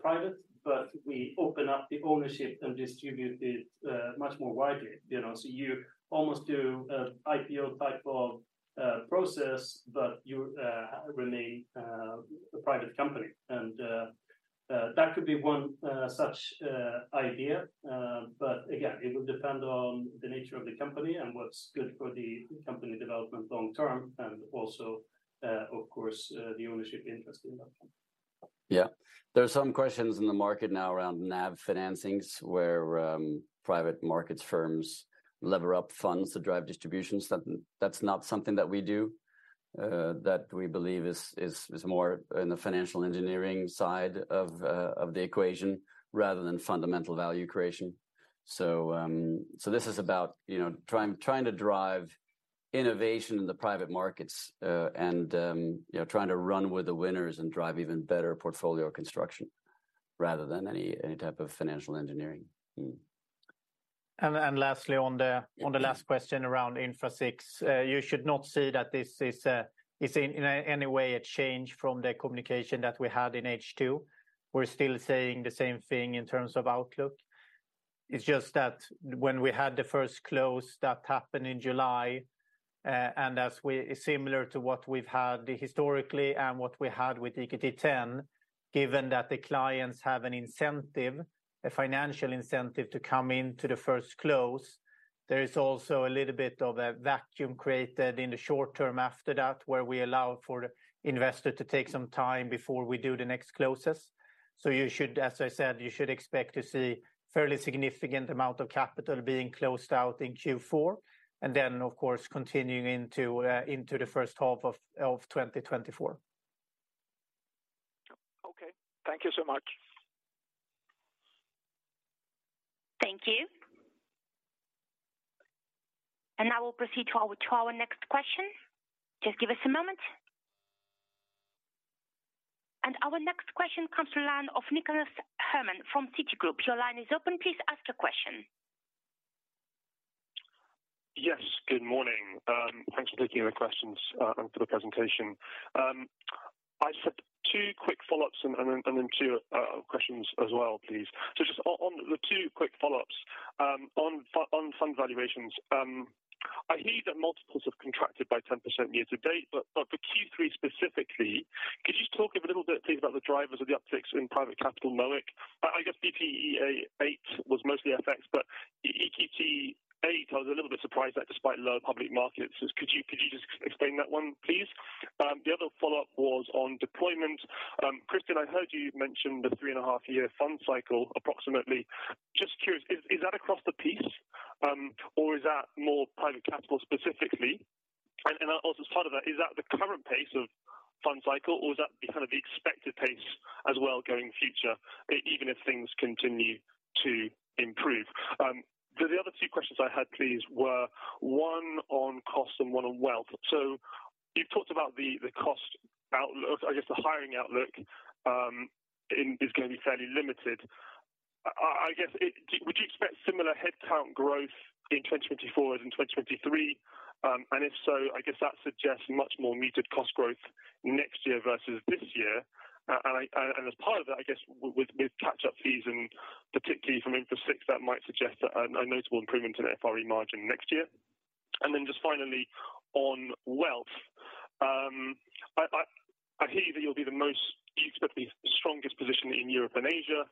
private, but we open up the ownership and distribute it much more widely. You know, so you almost do an IPO type of process, but you remain a private company, and that could be one such idea. But again, it will depend on the nature of the company and what's good for the company development long term, and also, of course, the ownership interest in that company. Yeah. There are some questions in the market now around NAV financings, where private markets firms lever up funds to drive distributions. That's not something that we do, that we believe is more in the financial engineering side of the equation rather than fundamental value creation. So this is about, you know, trying to drive innovation in the private markets, and, you know, trying to run with the winners and drive even better portfolio construction rather than any type of financial engineering. Mm. And lastly, on the- Yeah. On the last question around Infra VI, you should not see that this is in any way a change from the communication that we had in H2. We're still saying the same thing in terms of outlook. It's just that when we had the first close that happened in July, and as we... Similar to what we've had historically and what we had with EQT X, given that the clients have an incentive, a financial incentive to come in to the first close, there is also a little bit of a vacuum created in the short term after that, where we allow for the investor to take some time before we do the next closes. So you should, as I said, you should expect to see fairly significant amount of capital being closed out in Q4, and then, of course, continuing into the first half of 2024. Okay. Thank you so much. Thank you. Now we'll proceed to our, to our next question. Just give us a moment. Our next question comes to line of Nicholas Herman from Citigroup. Your line is open. Please ask your question. Yes, good morning. Thanks for taking the questions and for the presentation. I just have two quick follow-ups and then two questions as well, please. So just on the two quick follow-ups, on fund valuations, I hear that multiples have contracted by 10% year to date, but for Q3 specifically, could you just talk a little bit, please, about the drivers of the upticks in private capital MOIC? I guess, BPEA VIII was mostly FX, but EQT VIII, I was a little bit surprised that despite low public markets, could you just explain that one, please? The other follow-up was on deployment. Christian, I heard you mention the 3.5-year fund cycle, approximately. Just curious, is that across the piece, or is that more private capital specifically? as part of that, is that the current pace of fund cycle, or is that the kind of the expected pace as well, going forward, even if things continue to improve? The other two questions I had, please, were one on cost and one on wealth. So you've talked about the cost outlook. I guess the hiring outlook is gonna be fairly limited. I guess, would you expect similar headcount growth in 2024 as in 2023? And if so, I guess that suggests much more muted cost growth next year versus this year. And as part of that, I guess with catch-up fees, and particularly from Infra VI, that might suggest a notable improvement in FRE margin next year. And then just finally, on wealth, I hear that you'll be the most... You expect the strongest position in Europe and Asia.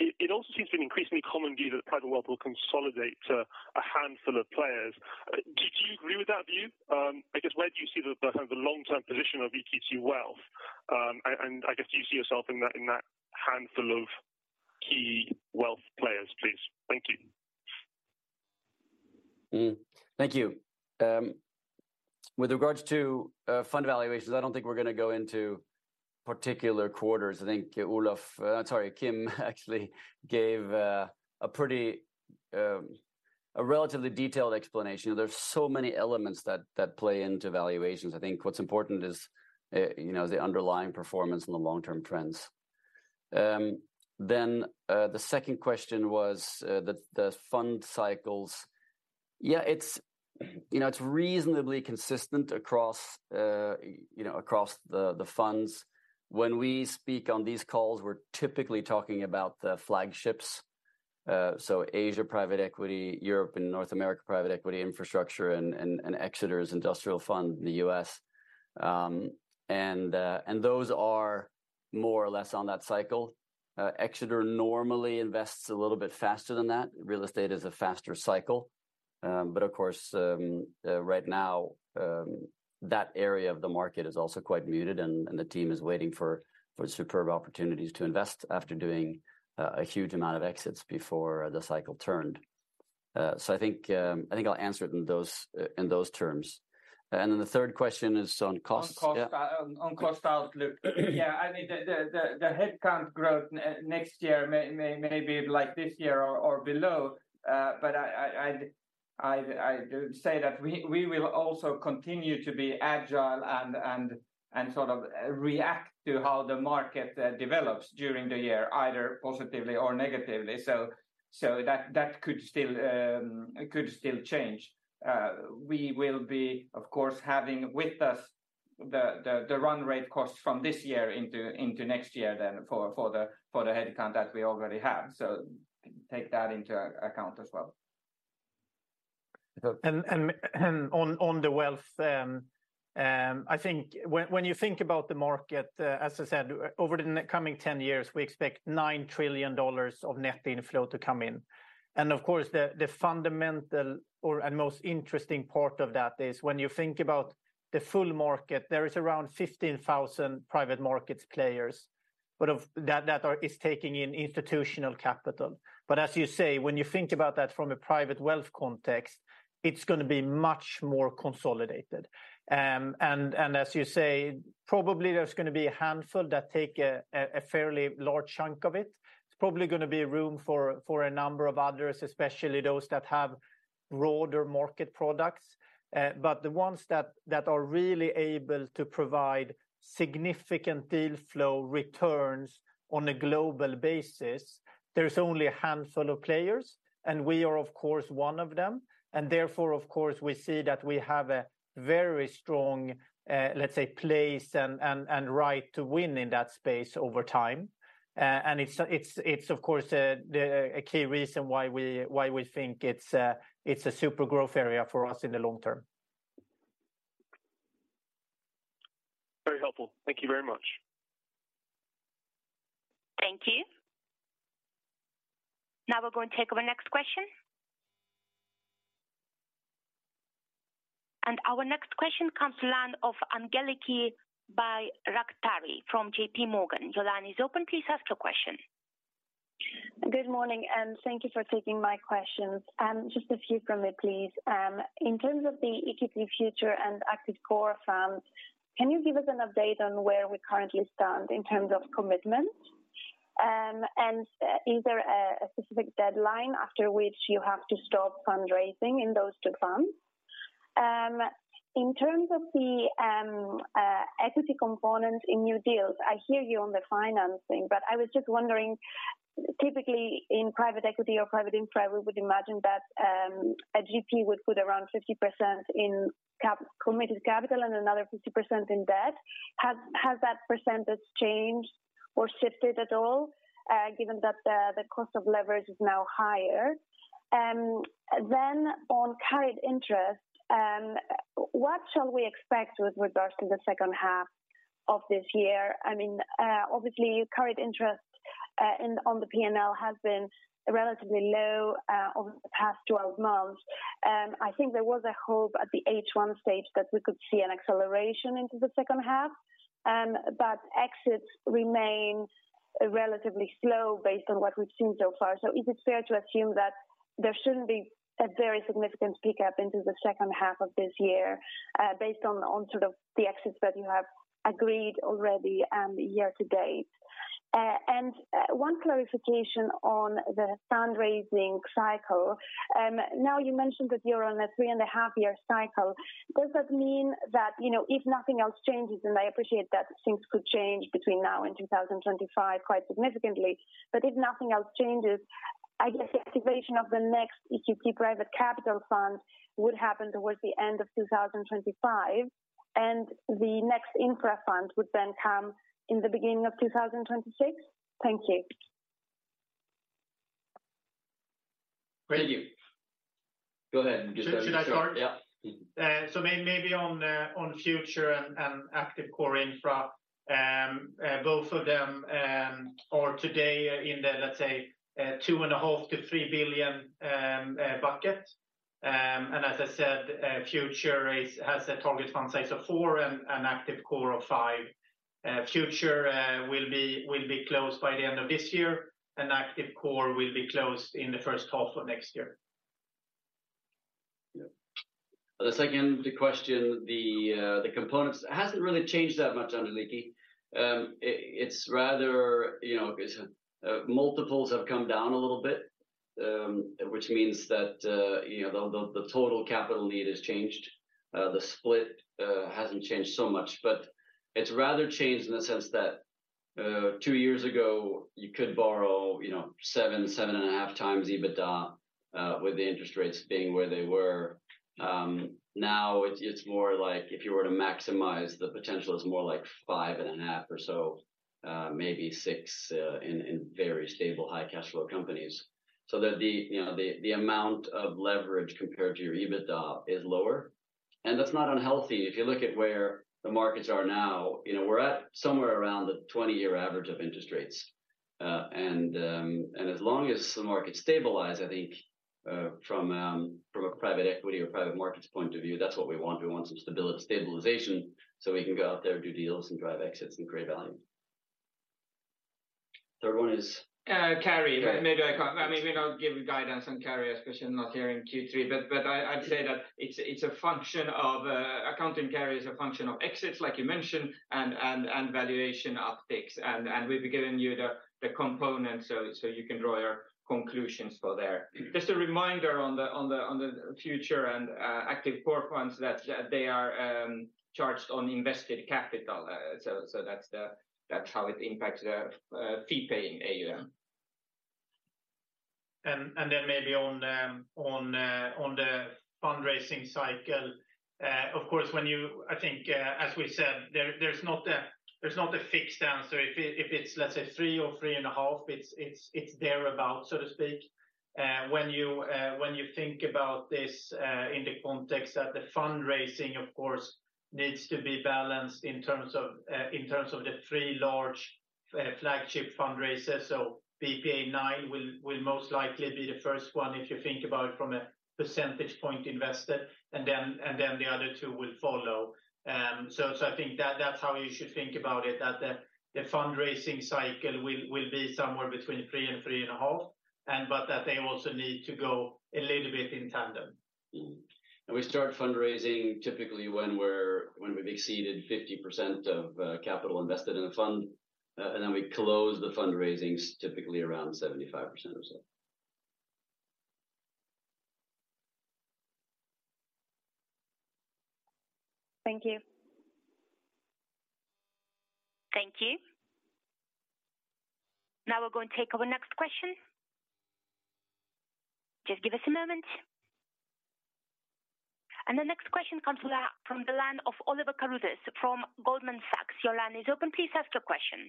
It also seems to be an increasingly common view that the private wealth will consolidate to a handful of players. Do you agree with that view? I guess where do you see the kind of long-term position of EQT Wealth? And I guess, do you see yourself in that handful of key wealth players, please? Thank you. Thank you. With regards to fund valuations, I don't think we're gonna go into particular quarters. I think Olof, sorry, Kim actually gave a pretty, a relatively detailed explanation. There are so many elements that play into valuations. I think what's important is, you know, the underlying performance and the long-term trends. Then, the second question was the fund cycles. Yeah, it's, you know, it's reasonably consistent across, you know, across the funds. When we speak on these calls, we're typically talking about the flagships... so Asia Private Equity, Europe and North America Private Equity, Infrastructure and Exeter's Industrial Fund in the US. And those are more or less on that cycle. Exeter normally invests a little bit faster than that. Real estate is a faster cycle. But of course, right now, that area of the market is also quite muted, and the team is waiting for superb opportunities to invest after doing a huge amount of exits before the cycle turned. So I think, I think I'll answer it in those terms. And then the third question is on costs? On cost, on cost outlook. Yeah, I mean, the headcount growth next year may be like this year or below. But I do say that we will also continue to be agile and sort of react to how the market develops during the year, either positively or negatively. That could still change. We will be, of course, having with us the run rate cost from this year into next year then for the headcount that we already have. So take that into account as well. On the wealth, I think when you think about the market, as I said, over the next 10 years, we expect $9 trillion of net inflow to come in. And of course, the fundamental or most interesting part of that is when you think about the full market, there is around 15,000 private markets players, but of that that are taking in institutional capital. But as you say, when you think about that from a private wealth context, it's gonna be much more consolidated. And as you say, probably there's gonna be a handful that take a fairly large chunk of it. It's probably gonna be room for a number of others, especially those that have broader market products. But the ones that are really able to provide significant deal flow returns on a global basis, there's only a handful of players, and we are, of course, one of them. And therefore, of course, we see that we have a very strong, let's say, place and right to win in that space over time. And it's of course the key reason why we think it's a super growth area for us in the long term. Very helpful. Thank you very much. Thank you. Now we're going to take our next question. Our next question comes from the line of Angeliki Bairaktari from J.P. Morgan. Your line is open. Please ask your question. Good morning, and thank you for taking my questions. Just a few from me, please. In terms of the EQT Future and Active Core funds, can you give us an update on where we currently stand in terms of commitment? And is there a specific deadline after which you have to stop fundraising in those two funds? In terms of the equity component in new deals, I hear you on the financing, but I was just wondering, typically in private equity or private infra, we would imagine that a GP would put around 50% in committed capital and another 50% in debt. Has that percentage changed or shifted at all, given that the cost of leverage is now higher? Then on carried interest, what shall we expect with regards to the second half of this year? I mean, obviously, your carried interest in on the PNL has been relatively low over the past 12 months. I think there was a hope at the H1 stage that we could see an acceleration into the second half, but exits remain relatively slow based on what we've seen so far. So is it fair to assume that there shouldn't be a very significant pickup into the second half of this year, based on on sort of the exits that you have agreed already and year to date? And one clarification on the fundraising cycle. Now, you mentioned that you're on a 3.5-year cycle. Does that mean that, you know, if nothing else changes, and I appreciate that things could change between now and 2025 quite significantly, but if nothing else changes, I guess the activation of the next EQT private capital fund would happen towards the end of 2025, and the next Infra fund would then come in the beginning of 2026? Thank you. Thank you. Go ahead and- Should I start? Yeah. So maybe on Future and Active Core Infra, both of them are today in the, let's say, 2.5-3 billion bucket. And as I said, Future has a target fund size of 4 billion and Active Core of 5 billion. Future will be closed by the end of this year, and Active Core will be closed in the first half of next year. Yeah. The second, the question, the components, it hasn't really changed that much, Angeliki. It, it's rather, you know, it's multiples have come down a little bit, which means that, you know, the, the, the total capital need has changed. The split hasn't changed so much, but it's rather changed in the sense that, two years ago, you could borrow, you know, 7, 7.5 times EBITDA, with the interest rates being where they were. Now it's, it's more like if you were to maximize, the potential is more like 5.5 or so, maybe 6, in very stable, high cash flow companies. So that the, you know, the, the amount of leverage compared to your EBITDA is lower, and that's not unhealthy. If you look at where the markets are now, you know, we're at somewhere around the 20-year average of interest rates. And as long as the markets stabilize, I think, from a private equity or private markets point of view, that's what we want. We want some stability - stabilization, so we can go out there and do deals and drive exits and create value. Third one is? Uh, carry. Carry. Maybe I can't—I mean, we don't give guidance on carry, especially not here in Q3. But I'd say that it's a function of accounting carry is a function of exits, like you mentioned, and valuation upticks. And we've been giving you the components, so you can draw your conclusions from there. Just a reminder on the Future and Active Core funds that they are charged on invested capital. So that's how it impacts the fee-paying AUM. And then maybe on the fundraising cycle. Of course, when you, I think, as we said, there's not a fixed answer. If it's, let's say, three or three and a half, it's thereabout, so to speak. When you, when you think about this, in the context that the fundraising, of course, needs to be balanced in terms of, in terms of the three large flagship fundraisers. So BPEA IX will most likely be the first one, if you think about it from a percentage point invested, and then the other two will follow. So I think that that's how you should think about it, that the fundraising cycle will be somewhere between 3 and 3.5, and but that they also need to go a little bit in tandem. We start fundraising typically when we've exceeded 50% of capital invested in a fund, and then we close the fundraisings typically around 75% or so. Thank you. Thank you. Now we're going to take our next question. Just give us a moment. The next question comes from the line of Oliver Carruthers from Goldman Sachs. Your line is open. Please ask your question.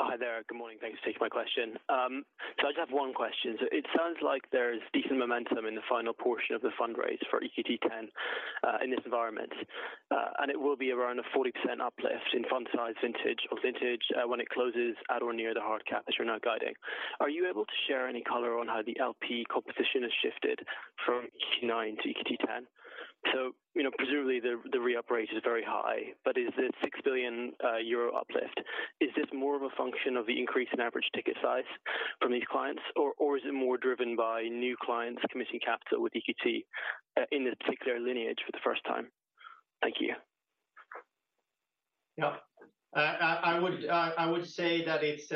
Hi there. Good morning. Thanks for taking my question. So I just have one question. So it sounds like there's decent momentum in the final portion of the fundraise for EQT X in this environment. And it will be around a 40% uplift in fund size vintage or vintage when it closes at or near the hard cap, as you're now guiding. Are you able to share any color on how the LP composition has shifted from EQT IX to EQT X? So, you know, presumably, the re-up rate is very high, but is the 6 billion euro uplift more of a function of the increase in average ticket size from these clients, or is it more driven by new clients committing capital with EQT in the particular lineage for the first time? Thank you. Yeah. I would say that it's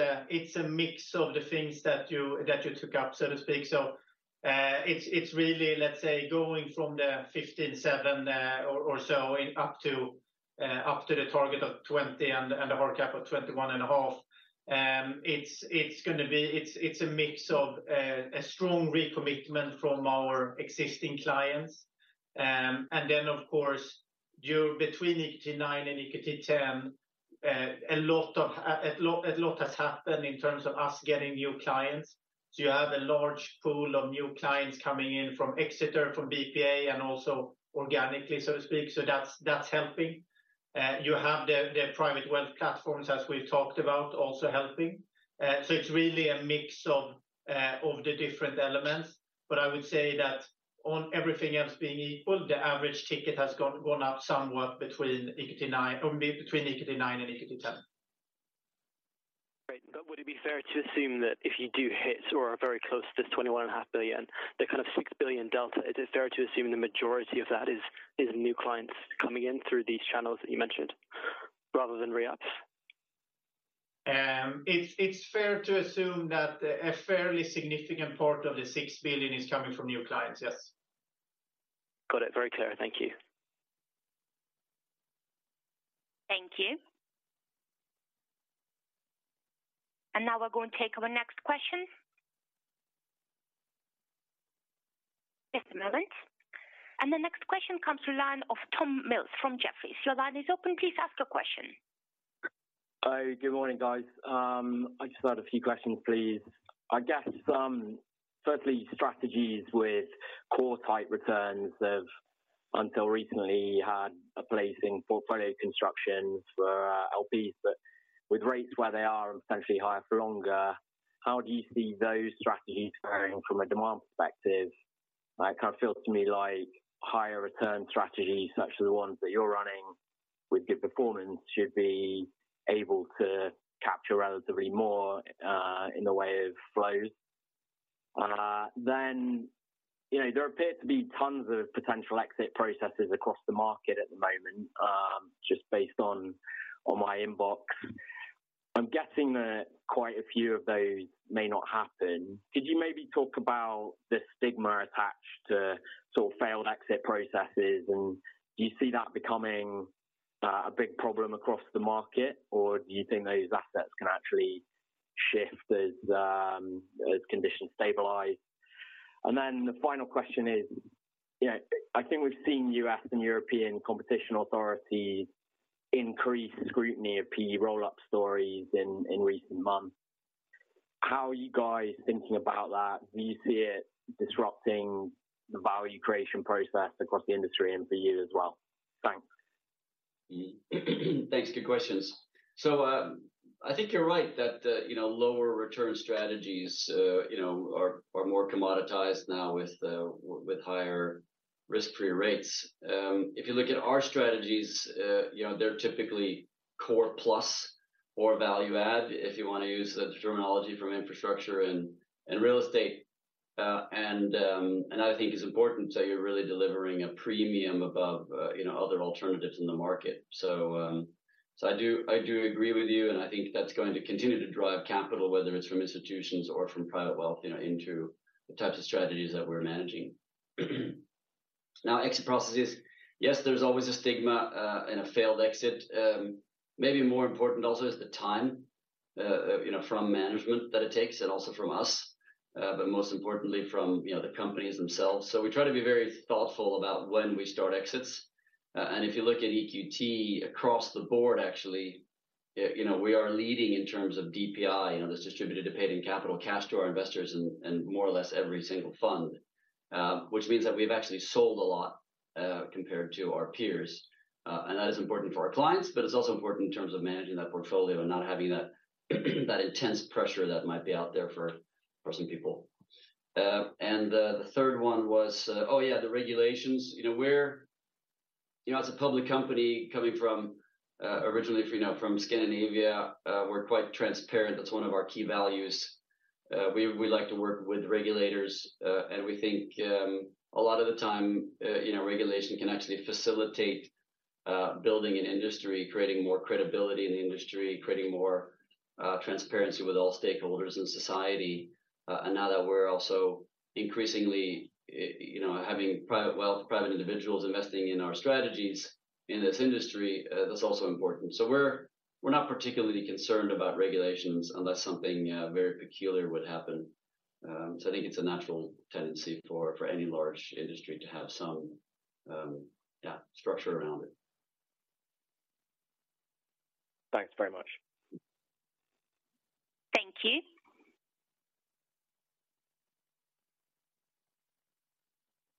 a mix of the things that you took up, so to speak. So, it's really, let's say, going from the 15.7 billion or so and up to the target of 20 billion and the hard cap of 21.5 billion. It's gonna be a mix of a strong recommitment from our existing clients. And then, of course, between EQT IX and EQT X, a lot has happened in terms of us getting new clients. So you have a large pool of new clients coming in from Exeter, from BPEA, and also organically, so to speak. So that's helping. You have the private wealth platforms, as we've talked about, also helping. So it's really a mix of the different elements. But I would say that on everything else being equal, the average ticket has gone up somewhat between EQT IX and EQT X. Great. But would it be fair to assume that if you do hit or are very close to this 21.5 billion, the kind of 6 billion delta, is it fair to assume the majority of that is, is new clients coming in through these channels that you mentioned rather than reups? It's fair to assume that a fairly significant part of the 6 billion is coming from new clients, yes. Got it. Very clear. Thank you. Thank you. Now we're going to take our next question. Just a moment. The next question comes to line of Tom Mills from Jefferies. Your line is open. Please ask your question. Hi, good morning, guys. I just had a few questions, please. I guess, firstly, strategies with core type returns have, until recently, had a place in portfolio construction for LPs. But with rates where they are and potentially higher for longer, how do you see those strategies varying from a demand perspective? It kind of feels to me like higher return strategies, such as the ones that you're running with good performance, should be able to capture relatively more in the way of flows. Then, you know, there appear to be tons of potential exit processes across the market at the moment, just based on my inbox. I'm guessing that quite a few of those may not happen. Could you maybe talk about the stigma attached to sort of failed exit processes, and do you see that becoming a big problem across the market, or do you think those assets can actually shift as conditions stabilize. And then the final question is, you know, I think we've seen U.S. and European competition authorities increase scrutiny of PE roll-up stories in recent months. How are you guys thinking about that? Do you see it disrupting the value creation process across the industry and for you as well? Thanks. Thanks. Good questions. So, I think you're right, that you know, lower return strategies, you know, are more commoditized now with higher risk-free rates. If you look at our strategies, you know, they're typically core plus or value add, if you wanna use the terminology from infrastructure and real estate. I think it's important that you're really delivering a premium above, you know, other alternatives in the market. So, I do agree with you, and I think that's going to continue to drive capital, whether it's from institutions or from private wealth, you know, into the types of strategies that we're managing. Now, exit processes, yes, there's always a stigma in a failed exit. Maybe more important also is the time, you know, from management that it takes and also from us, but most importantly, from, you know, the companies themselves. So we try to be very thoughtful about when we start exits. And if you look at EQT across the board, actually, you know, we are leading in terms of DPI, you know, that's distributed to paid-in capital cash to our investors in, in more or less every single fund. Which means that we've actually sold a lot, compared to our peers. And that is important for our clients, but it's also important in terms of managing that portfolio and not having that intense pressure that might be out there for some people. And the third one was, oh yeah, the regulations. You know, we're, you know, as a public company coming from, originally, if you know, from Scandinavia, we're quite transparent. That's one of our key values. We, we like to work with regulators, and we think, a lot of the time, you know, regulation can actually facilitate, building an industry, creating more credibility in the industry, creating more, transparency with all stakeholders in society. And now that we're also increasingly, you know, having private wealth, private individuals investing in our strategies in this industry, that's also important. So we're, we're not particularly concerned about regulations unless something, very peculiar would happen. So I think it's a natural tendency for, for any large industry to have some, yeah, structure around it. Thanks very much. Thank you.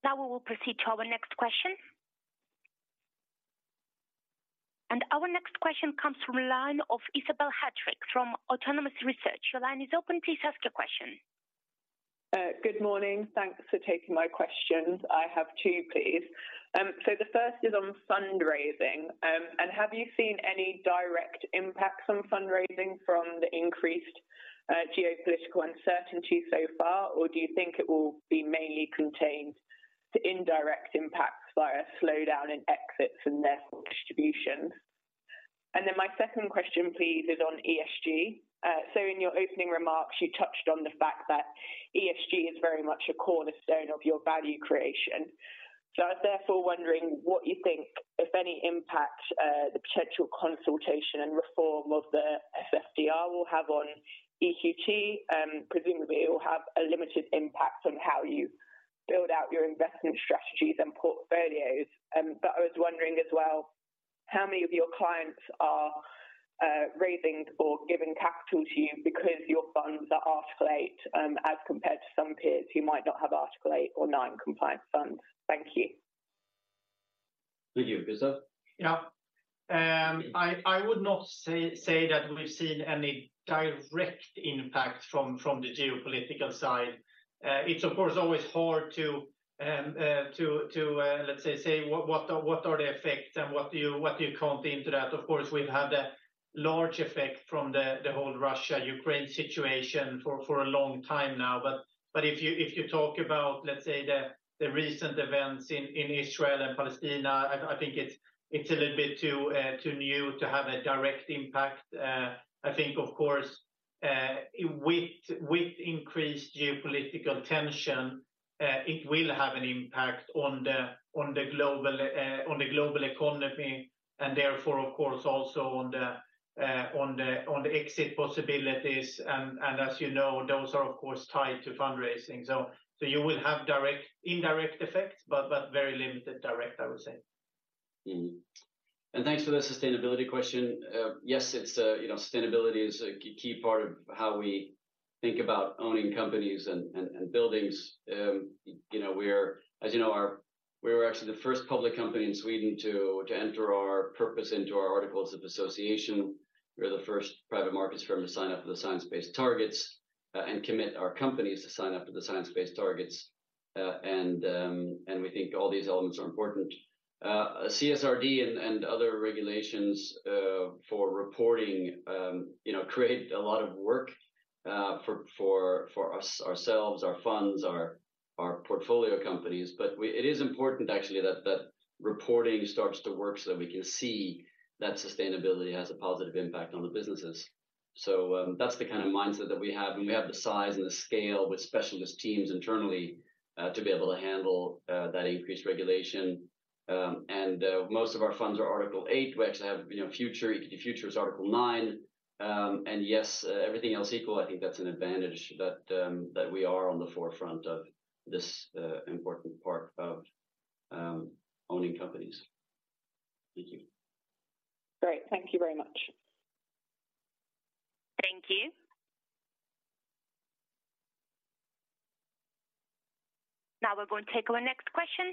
Now we will proceed to our next question. Our next question comes from the line of Isabelle Sherlock from Autonomous Research. The line is open. Please ask your question. Good morning. Thanks for taking my questions. I have two, please. So the first is on fundraising. And have you seen any direct impacts on fundraising from the increased geopolitical uncertainty so far, or do you think it will be mainly contained to indirect impacts via slowdown in exits and therefore distribution? And then my second question, please, is on ESG. So in your opening remarks, you touched on the fact that ESG is very much a cornerstone of your value creation. So I was therefore wondering what you think, if any impact, the potential consultation and reform of the SFDR will have on EQT. Presumably, it will have a limited impact on how you build out your investment strategies and portfolios. I was wondering as well, how many of your clients are raising or giving capital to you because your funds are Article 8, as compared to some peers who might not have Article 8 or 9 compliant funds? Thank you. Thank you, Isabelle. Yeah. I would not say that we've seen any direct impact from the geopolitical side. It's of course always hard to let's say what are the effects and what do you count into that? Of course, we've had a large effect from the whole Russia-Ukraine situation for a long time now. But if you talk about, let's say, the recent events in Israel and Palestine, I think it's a little bit too new to have a direct impact. I think, of course, with increased geopolitical tension, it will have an impact on the global economy, and therefore, of course, also on the exit possibilities. As you know, those are, of course, tied to fundraising. So you will have direct... indirect effects, but very limited direct, I would say. Mm-hmm. And thanks for the sustainability question. Yes, it's, you know, sustainability is a key part of how we think about owning companies and buildings. As you know, we were actually the first public company in Sweden to enter our purpose into our articles of association. We're the first private markets firm to sign up for the science-based targets and commit our companies to sign up for the science-based targets. And we think all these elements are important. CSRD and other regulations for reporting create a lot of work for us, ourselves, our funds, our portfolio companies. But it is important actually, that reporting starts to work so we can see that sustainability has a positive impact on the businesses. So, that's the kind of mindset that we have, and we have the size and the scale with specialist teams internally to be able to handle that increased regulation. Most of our funds are Article 8. We actually have, you know, Future, EQT Future is Article 9. Yes, everything else equal, I think that's an advantage that that we are on the forefront of this important part of owning companies. Thank you. Great. Thank you very much. Thank you. Now we're going to take our next question.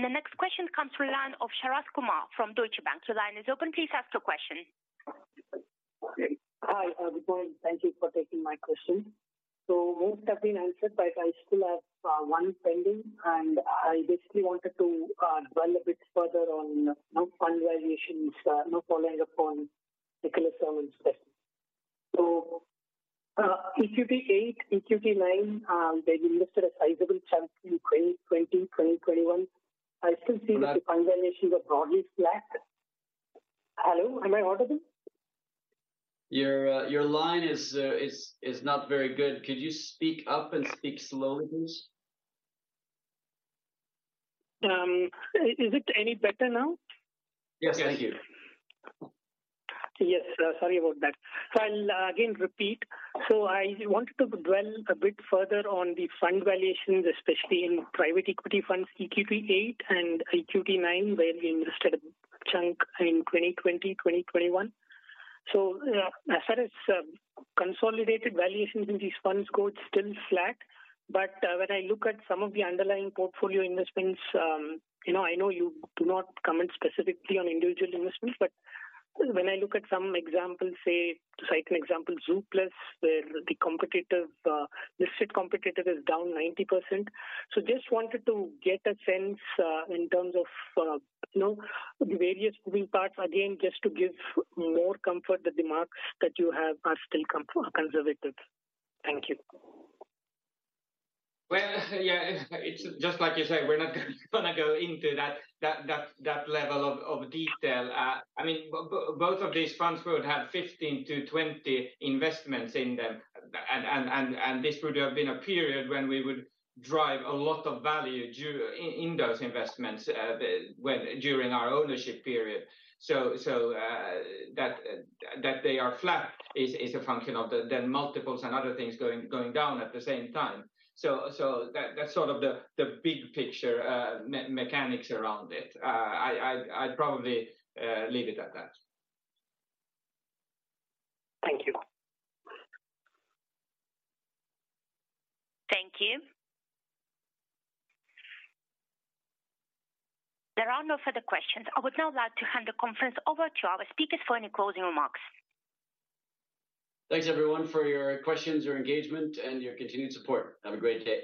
The next question comes from line of Sharath Kumar from Deutsche Bank. So line is open, please ask your question. Hi, good morning. Thank you for taking my question. Most have been answered, but I still have one pending, and I basically wanted to dwell a bit further on, you know, fund valuations, now following up on Nicholas' question. EQT VIII, EQT IX, they invested a sizable chunk in 2020, 2021. I still see- Sharath? The fund valuations are broadly flat. Hello, am I audible? Your, your line is not very good. Could you speak up and speak slowly, please? Is it any better now? Yes, thank you. Yes, sorry about that. So I'll again repeat. So I wanted to dwell a bit further on the fund valuations, especially in private equity funds, EQT VIII and EQT IX, where you invested a chunk in 2020, 2021. So, as far as consolidated valuations in these funds go, it's still flat. But when I look at some of the underlying portfolio investments, you know, I know you do not comment specifically on individual investments, but when I look at some examples, say, to cite an example, Zooplus, where the competitor, listed competitor is down 90%. So just wanted to get a sense, in terms of, you know, the various moving parts, again, just to give more comfort that the marks that you have are still conservative. Thank you. Well, yeah, it's just like you said, we're not gonna go into that level of detail. I mean, both of these funds would have 15-20 investments in them, and this would have been a period when we would drive a lot of value due in those investments, when during our ownership period. So, that they are flat is a function of the multiples and other things going down at the same time. So that's sort of the big picture, mechanics around it. I'd probably leave it at that. Thank you. Thank you. There are no further questions. I would now like to hand the conference over to our speakers for any closing remarks. Thanks, everyone, for your questions, your engagement, and your continued support. Have a great day.